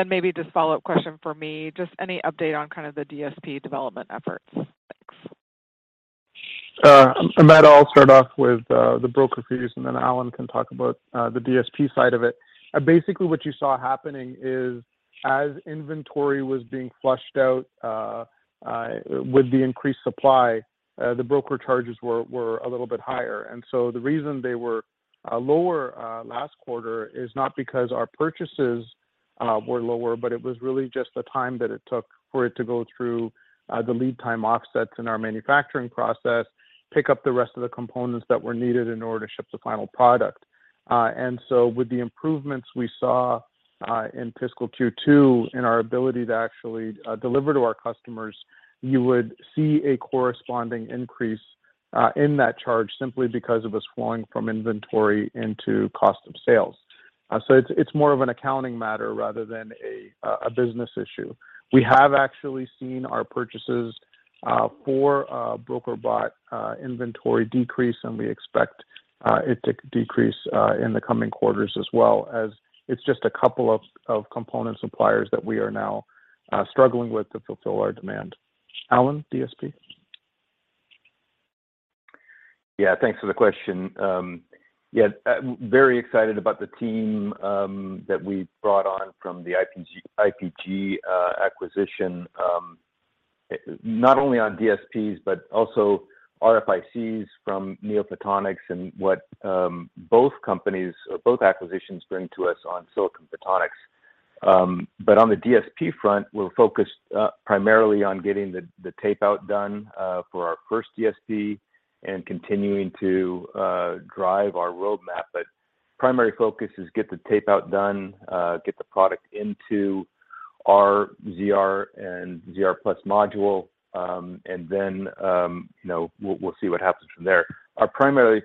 Maybe just follow-up question for me, just any update on kind of the DSP development efforts. Thanks. Meta, I'll start off with the broker fees, and then Alan can talk about the DSP side of it. Basically, what you saw happening is as inventory was being flushed out, with the increased supply, the broker charges were a little bit higher. The reason they were lower last quarter is not because our purchases were lower, but it was really just the time that it took for it to go through the lead time offsets in our manufacturing process, pick up the rest of the components that were needed in order to ship the final product. With the improvements we saw in fiscal Q2 in our ability to actually deliver to our customers, you would see a corresponding increase in that charge simply because of us flowing from inventory into cost of sales. It's more of an accounting matter rather than a business issue. We have actually seen our purchases for broker bot inventory decrease, and we expect it to decrease in the coming quarters as well as it's just a couple of component suppliers that we are now struggling with to fulfill our demand. Alan, DSP? Yeah. Thanks for the question. Yeah, very excited about the team that we brought on from the IPG acquisition, not only on DSPs, but also RFICs from NeoPhotonics and what both companies or both acquisitions bring to us on silicon photonics. On the DSP front, we're focused primarily on getting the tape out done for our first DSP and continuing to drive our roadmap. Primary focus is get the tape out done, get the product into our ZR and ZR+ module, and then, you know, we'll see what happens from there. Our primary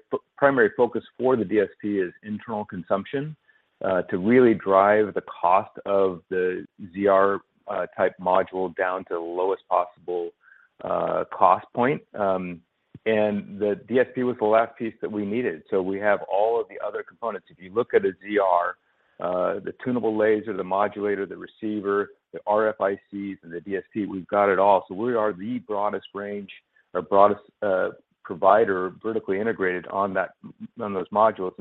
focus for the DSP is internal consumption. To really drive the cost of the ZR type module down to the lowest possible cost point. The DSP was the last piece that we needed. We have all of the other components. If you look at a ZR, the tunable laser, the modulator, the receiver, the RFICs, and the DSP, we've got it all. We are the broadest range or broadest provider vertically integrated on that, on those modules.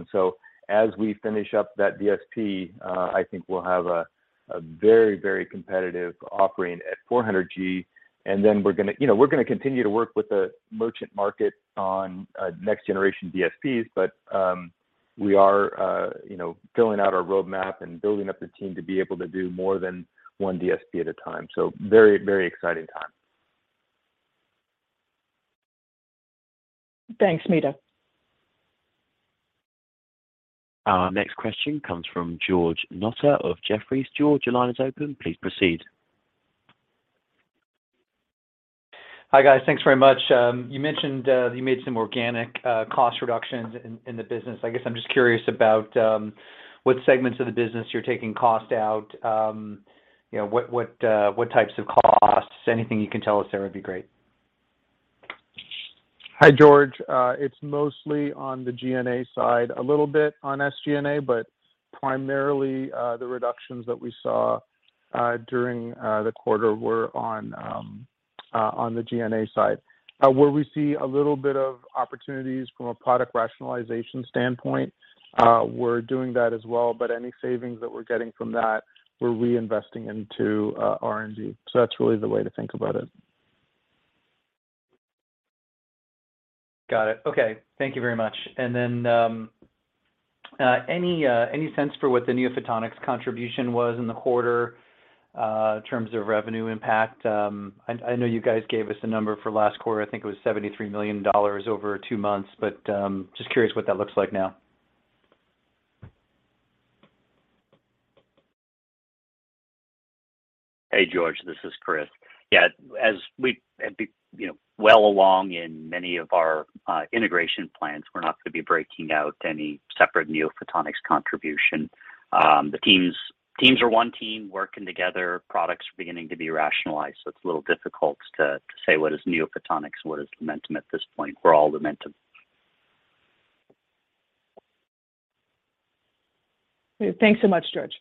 As we finish up that DSP, I think we'll have a very, very competitive offering at 400G. Then you know, we're gonna continue to work with the merchant market on next generation DSPs, but we are, you know, filling out our roadmap and building up the team to be able to do more than 1 DSP at a time. Very, very exciting time. Thanks, Mita. Our next question comes from George Notter of Jefferies. George, your line is open. Please proceed. Hi, guys. Thanks very much. You mentioned you made some organic cost reductions in the business. I guess I'm just curious about what segments of the business you're taking cost out. You know, what, what types of costs? Anything you can tell us there would be great. Hi, George. It's mostly on the G&A side, a little bit on SG&A, but primarily, the reductions that we saw during the quarter were on the G&A side. Where we see a little bit of opportunities from a product rationalization standpoint, we're doing that as well, but any savings that we're getting from that, we're reinvesting into R&D. That's really the way to think about it. Got it. Okay. Thank you very much. Any sense for what the NeoPhotonics contribution was in the quarter, in terms of revenue impact? I know you guys gave us a number for last quarter. I think it was $73 million over two months, but just curious what that looks like now. Hey, George. This is Chris. Yeah, as we, you know, well along in many of our integration plans, we're not gonna be breaking out any separate NeoPhotonics contribution. The teams are one team working together. Products are beginning to be rationalized, so it's a little difficult to say what is NeoPhotonics and what is Lumentum at this point. We're all Lumentum. Thanks so much, George.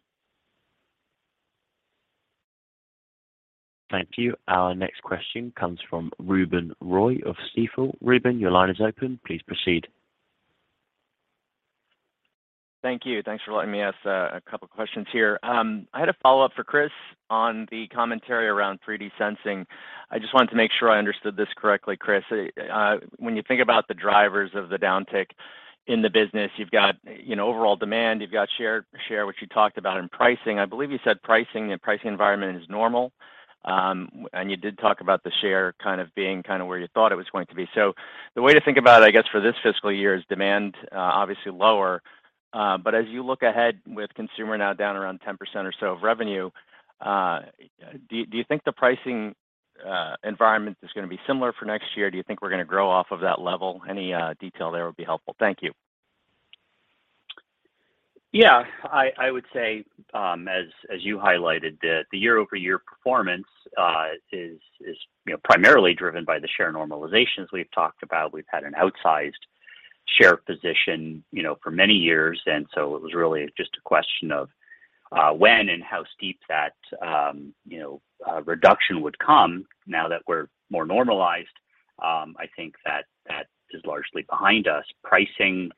Thank you. Our next question comes from Ruben Roy of Stifel. Ruben, your line is open. Please proceed. Thank you. Thanks for letting me ask a couple questions here. I had a follow-up for Chris on the commentary around 3D sensing. I just wanted to make sure I understood this correctly, Chris. When you think about the drivers of the downtick in the business, you've got, you know, overall demand, you've got share, which you talked about, and pricing. I believe you said pricing, the pricing environment is normal. You did talk about the share kind of being kind of where you thought it was going to be. The way to think about it, I guess, for this fiscal year is demand, obviously lower. As you look ahead with consumer now down around 10% or so of revenue, do you think the pricing environment is gonna be similar for next year? Do you think we're gonna grow off of that level? Any detail there would be helpful. Thank you. Yeah. I would say, as you highlighted, the year-over-year performance is, you know, primarily driven by the share normalizations we've talked about. We've had an outsized share position, you know, for many years. It was really just a question of when and how steep that, you know, reduction would come now that we're more normalized. I think that is largely behind us. Pricing,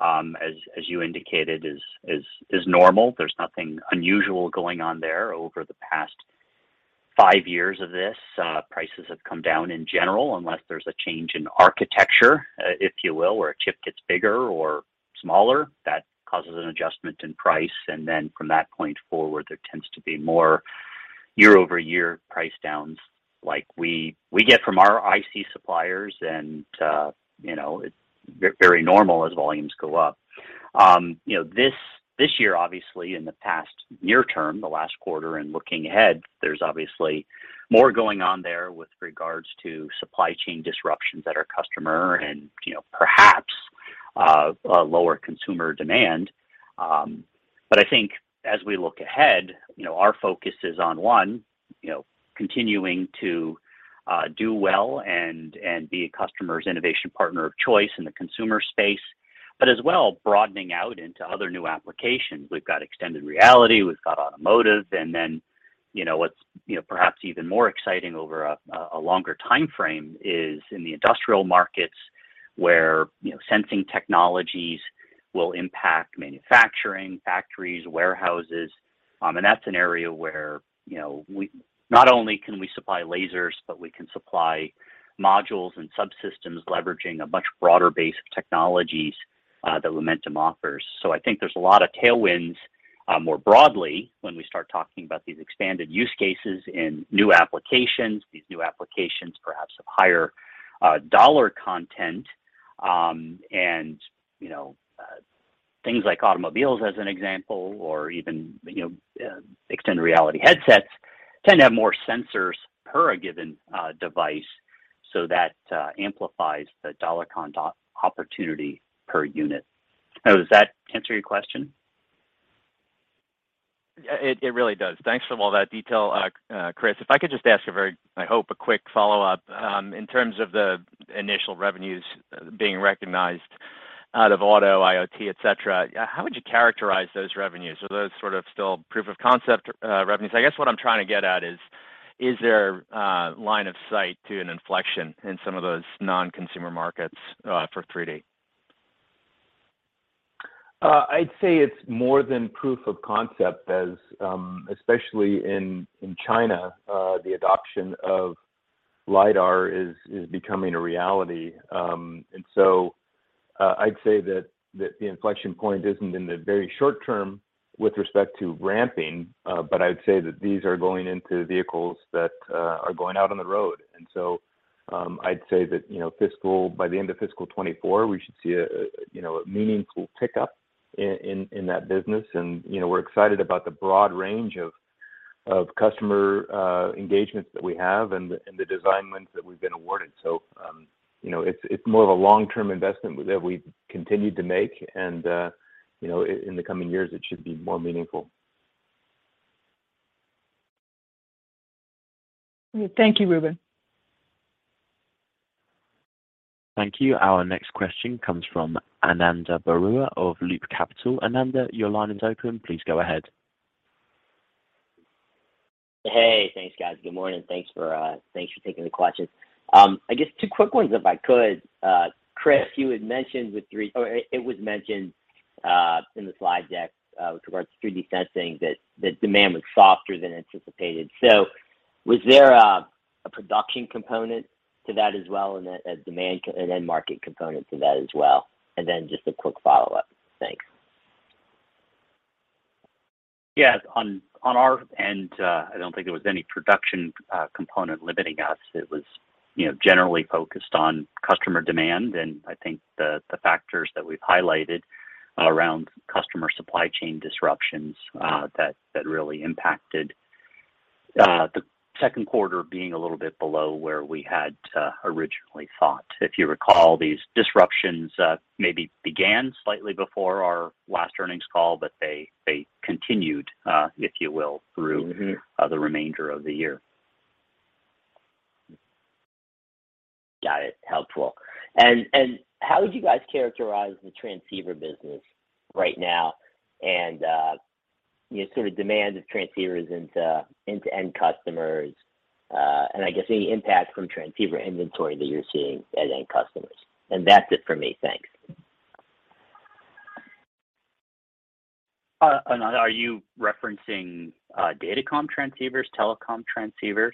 as you indicated, is normal. There's nothing unusual going on there over the past 5 years of this. Prices have come down in general, unless there's a change in architecture, if you will, where a chip gets bigger or smaller, that causes an adjustment in price. From that point forward, there tends to be more year-over-year price downs like we get from our IC suppliers, you know, it's very normal as volumes go up. You know, this year, obviously, in the past near term, the last quarter and looking ahead, there's obviously more going on there with regards to supply chain disruptions at our customer and, you know, perhaps a lower consumer demand. I think as we look ahead, you know, our focus is on, one, you know, continuing to do well and be a customer's innovation partner of choice in the consumer space. As well, broadening out into other new applications. We've got extended reality, we've got automotive. Then, you know, what's, you know, perhaps even more exciting over a longer timeframe is in the industrial markets where, you know, sensing technologies will impact manufacturing, factories, warehouses. That's an area where, you know, not only can we supply lasers, but we can supply modules and subsystems leveraging a much broader base of technologies that Lumentum offers. I think there's a lot of tailwinds more broadly when we start talking about these expanded use cases in new applications, these new applications perhaps of higher dollar content. You know, things like automobiles as an example, or even, you know, extended reality headsets tend to have more sensors per a given device. That amplifies the dollar content opportunity per unit. Oh, does that answer your question? Yeah, it really does. Thanks for all that detail, Chris. If I could just ask a very, I hope, a quick follow-up. In terms of the initial revenues being recognized out of auto, IoT, et cetera, how would you characterize those revenues? Are those sort of still proof of concept, revenues? I guess what I'm trying to get at is there a, line of sight to an inflection in some of those non-consumer markets, for 3D? I'd say it's more than proof of concept as especially in China, the adoption of LiDAR is becoming a reality. I'd say that the inflection point isn't in the very short term with respect to ramping, but I'd say that these are going into vehicles that are going out on the road. I'd say that, you know, by the end of fiscal 2024, we should see a, you know, a meaningful pickup in that business. You know, we're excited about the broad range of customer engagements that we have and the design wins that we've been awarded. You know, it's more of a long-term investment that we've continued to make, and, you know, in the coming years, it should be more meaningful. Thank you, Ruben. Thank you. Our next question comes from Ananda Baruah of Loop Capital. Ananda, your line is open. Please go ahead. Hey, thanks, guys. Good morning. Thanks for, thanks for taking the questions. I guess 2 quick ones, if I could. Chris, you had mentioned with three... Or it was mentioned in the slide deck with regards to 3D sensing that the demand was softer than anticipated. Was there a production component to that as well in the demand and then market component to that as well? Just a quick follow-up. Thanks. Yeah. On our end, I don't think there was any production, component limiting us. It was, you know, generally focused on customer demand, and I think the factors that we've highlighted around customer supply chain disruptions, that really impacted the second quarter being a little bit below where we had originally thought. If you recall, these disruptions, maybe began slightly before our last earnings call, but they continued, if you will. Mm-hmm... through the remainder of the year. Got it. Helpful. How would you guys characterize the transceiver business right now and you know, sort of demand of transceivers into end customers, and I guess any impact from transceiver inventory that you're seeing at end customers? That's it for me. Thanks. Ananda, are you referencing, datacom transceivers, telecom transceivers?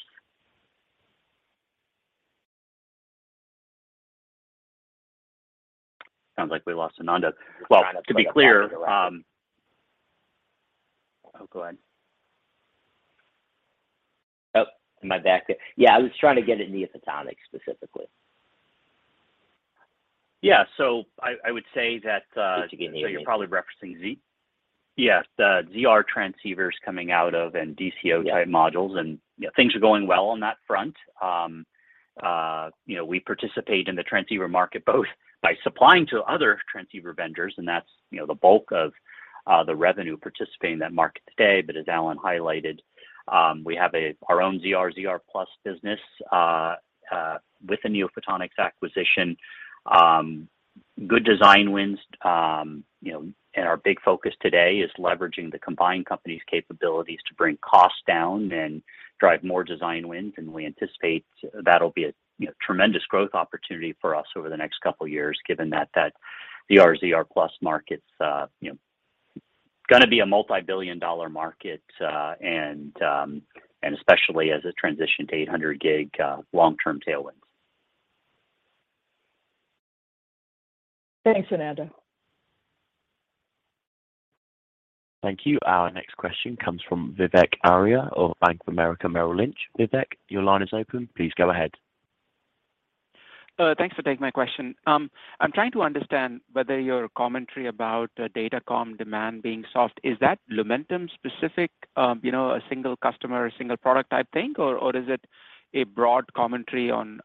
Sounds like we lost Ananda. To be clear, Oh, go ahead. Oh, am I back? Yeah, I was trying to get at NeoPhotonics specifically. Yeah. I would say that. Since you gave me a name.... you're probably referencing ZR. Yes, the ZR transceivers coming out of and DCO type modules- Yeah... and, you know, things are going well on that front. You know, we participate in the transceiver market both by supplying to other transceiver vendors, and that's, you know, the bulk of the revenue participating in that market today. As Alan highlighted, we have our own ZR+ business with the NeoPhotonics acquisition, good design wins. You know, our big focus today is leveraging the combined company's capabilities to bring costs down and drive more design wins. We anticipate that'll be a, you know, tremendous growth opportunity for us over the next couple of years, given that that ZR+ market's, you know, gonna be a multi-billion dollar market, and especially as it transition to 800 gig long-term tailwinds. Thanks, Ananda. Thank you. Our next question comes from Vivek Arya of Bank of America Merrill Lynch. Vivek, your line is open. Please go ahead. Thanks for taking my question. I'm trying to understand whether your commentary about datacom demand being soft, is that Lumentum specific, you know, a single customer, a single product type thing, or is it a broad commentary on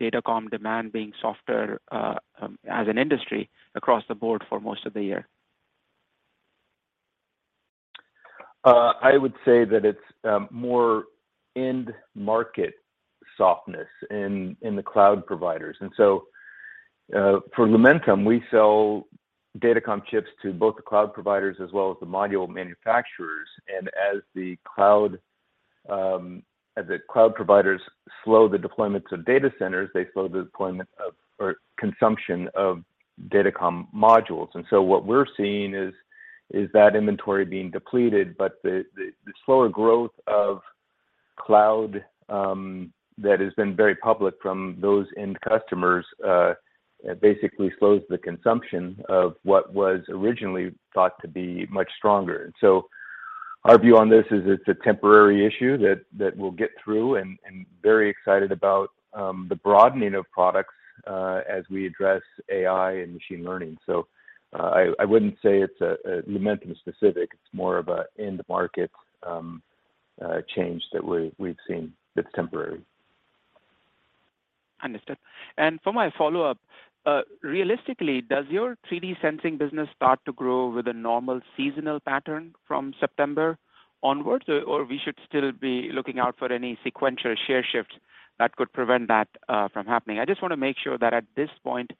datacom demand being softer, as an industry across the board for most of the year? I would say that it's more end market softness in the cloud providers. For Lumentum, we sell datacom chips to both the cloud providers as well as the module manufacturers. As the cloud providers slow the deployments of data centers, they slow the deployment of or consumption of datacom modules. What we're seeing is that inventory being depleted, but the slower growth of cloud, that has been very public from those end customers, basically slows the consumption of what was originally thought to be much stronger. Our view on this is it's a temporary issue that we'll get through and very excited about the broadening of products, as we address AI and machine learning. I wouldn't say it's a Lumentum specific. It's more of a end market change that we've seen that's temporary. Understood. For my follow-up, realistically, does your 3D sensing business start to grow with a normal seasonal pattern from September onwards? Or we should still be looking out for any sequential share shifts that could prevent that from happening? I just wanna make sure that at this point,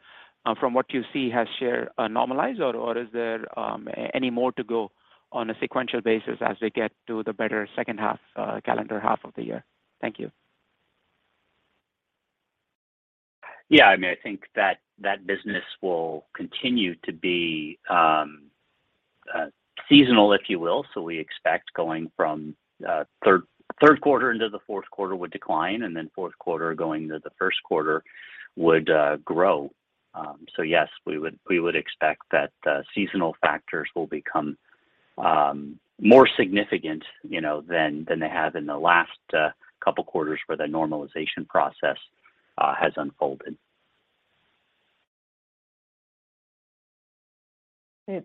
from what you see, has share normalized or is there any more to go on a sequential basis as we get to the better second half, calendar half of the year? Thank you. Yeah, I mean, I think that that business will continue to be seasonal, if you will. We expect going from third quarter into the fourth quarter would decline, and then fourth quarter going to the first quarter would grow. Yes, we would expect that seasonal factors will become more significant, you know, than they have in the last couple quarters where the normalization process has unfolded.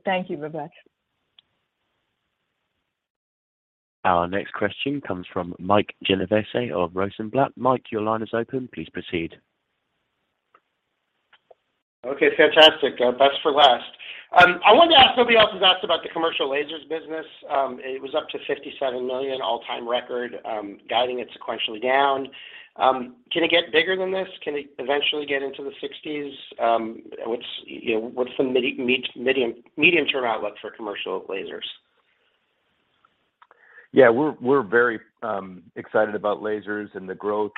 Thank you, Vivek. Our next question comes from Mike Genovese of Rosenblatt. Mike, your line is open. Please proceed. Okay, fantastic. Best for last. I wanted to ask, nobody else has asked about the commercial lasers business. It was up to $57 million, all-time record, guiding it sequentially down. Can it get bigger than this? Can it eventually get into the 60s? What's, you know, what's the medium-term outlook for commercial lasers? Yeah, we're very excited about lasers and the growth.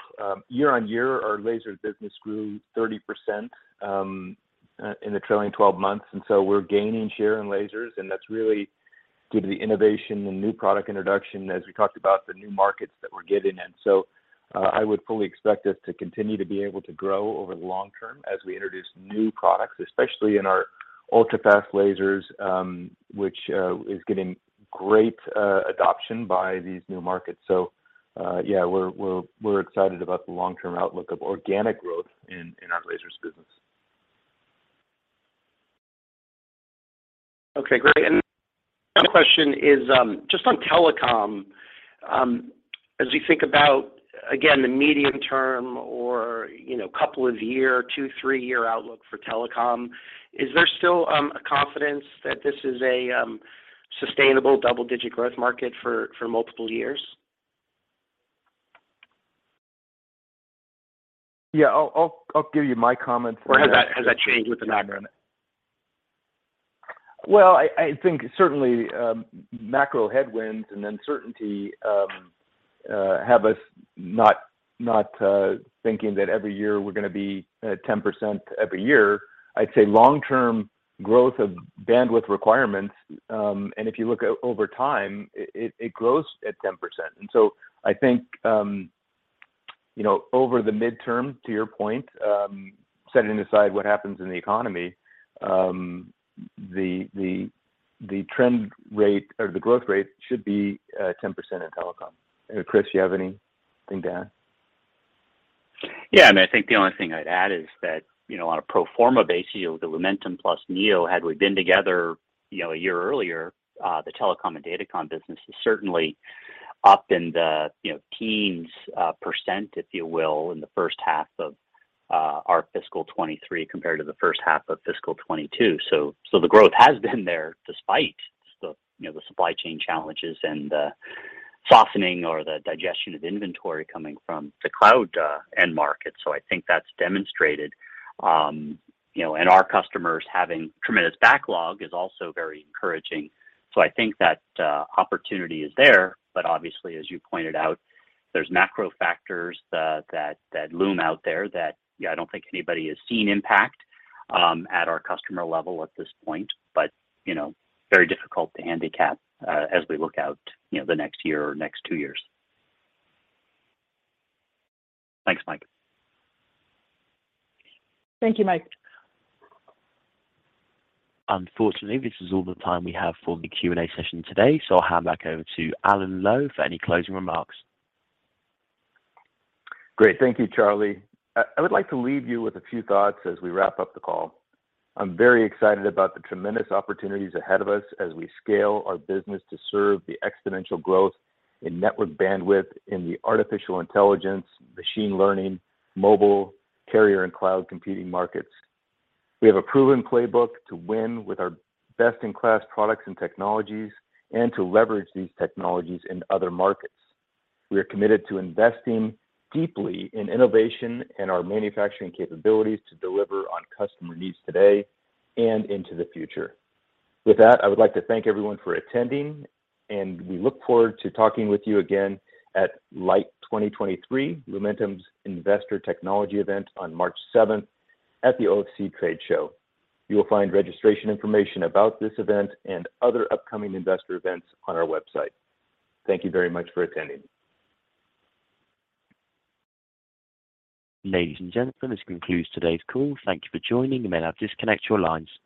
Year-over-year, our laser business grew 30% in the trailing 12 months. We're gaining share in lasers, and that's really due to the innovation and new product introduction as we talked about the new markets that we're getting in. I would fully expect us to continue to be able to grow over the long term as we introduce new products, especially in our ultrafast lasers, which is getting great adoption by these new markets. Yeah, we're excited about the long-term outlook of organic growth in our lasers business. Okay, great. My question is, just on telecom, as we think about, again, the medium term or, you know, couple of year, two, three-year outlook for telecom, is there still, a confidence that this is a, sustainable double-digit growth market for multiple years? Yeah, I'll give you my comments. Has that changed with the macro in it? Well, I think certainly, macro headwinds and uncertainty have us not thinking that every year we're going to be at 10% every year. I'd say long term growth of bandwidth requirements, and if you look over time, it grows at 10%. I think, you know, over the midterm, to your point, setting aside what happens in the economy, the trend rate or the growth rate should be 10% in telecom. Chris, you have anything to add? I think the only thing I'd add is that, you know, on a pro forma basis, the Lumentum plus Neo, had we been together, you know, a year earlier, the telecom and datacom business is certainly up in the, you know, teens%, if you will, in the first half of our fiscal 2023 compared to the first half of fiscal 2022. The growth has been there despite the, you know, the supply chain challenges and the softening or the digestion of inventory coming from the cloud, end market. I think that's demonstrated. You know, and our customers having tremendous backlog is also very encouraging. I think that opportunity is there. Obviously, as you pointed out, there's macro factors that loom out there that I don't think anybody has seen impact, at our customer level at this point, but, you know, very difficult to handicap, as we look out, you know, the next year or next 2 years. Thanks, Mike. Thank you, Mike. Unfortunately, this is all the time we have for the Q&A session today, so I'll hand back over to Alan Lowe for any closing remarks. Great. Thank you, Charlie. I would like to leave you with a few thoughts as we wrap up the call. I'm very excited about the tremendous opportunities ahead of us as we scale our business to serve the exponential growth in network bandwidth in the artificial intelligence, machine learning, mobile, carrier, and cloud computing markets. We have a proven playbook to win with our best-in-class products and technologies and to leverage these technologies in other markets. We are committed to investing deeply in innovation and our manufacturing capabilities to deliver on customer needs today and into the future. With that, I would like to thank everyone for attending, and we look forward to talking with you again at LITE 2023, Lumentum's Investor Technology event on March 7th at the OFC Trade Show. You will find registration information about this event and other upcoming investor events on our website. Thank you very much for attending. Ladies and gentlemen, this concludes today's call. Thank you for joining. You may now disconnect your lines.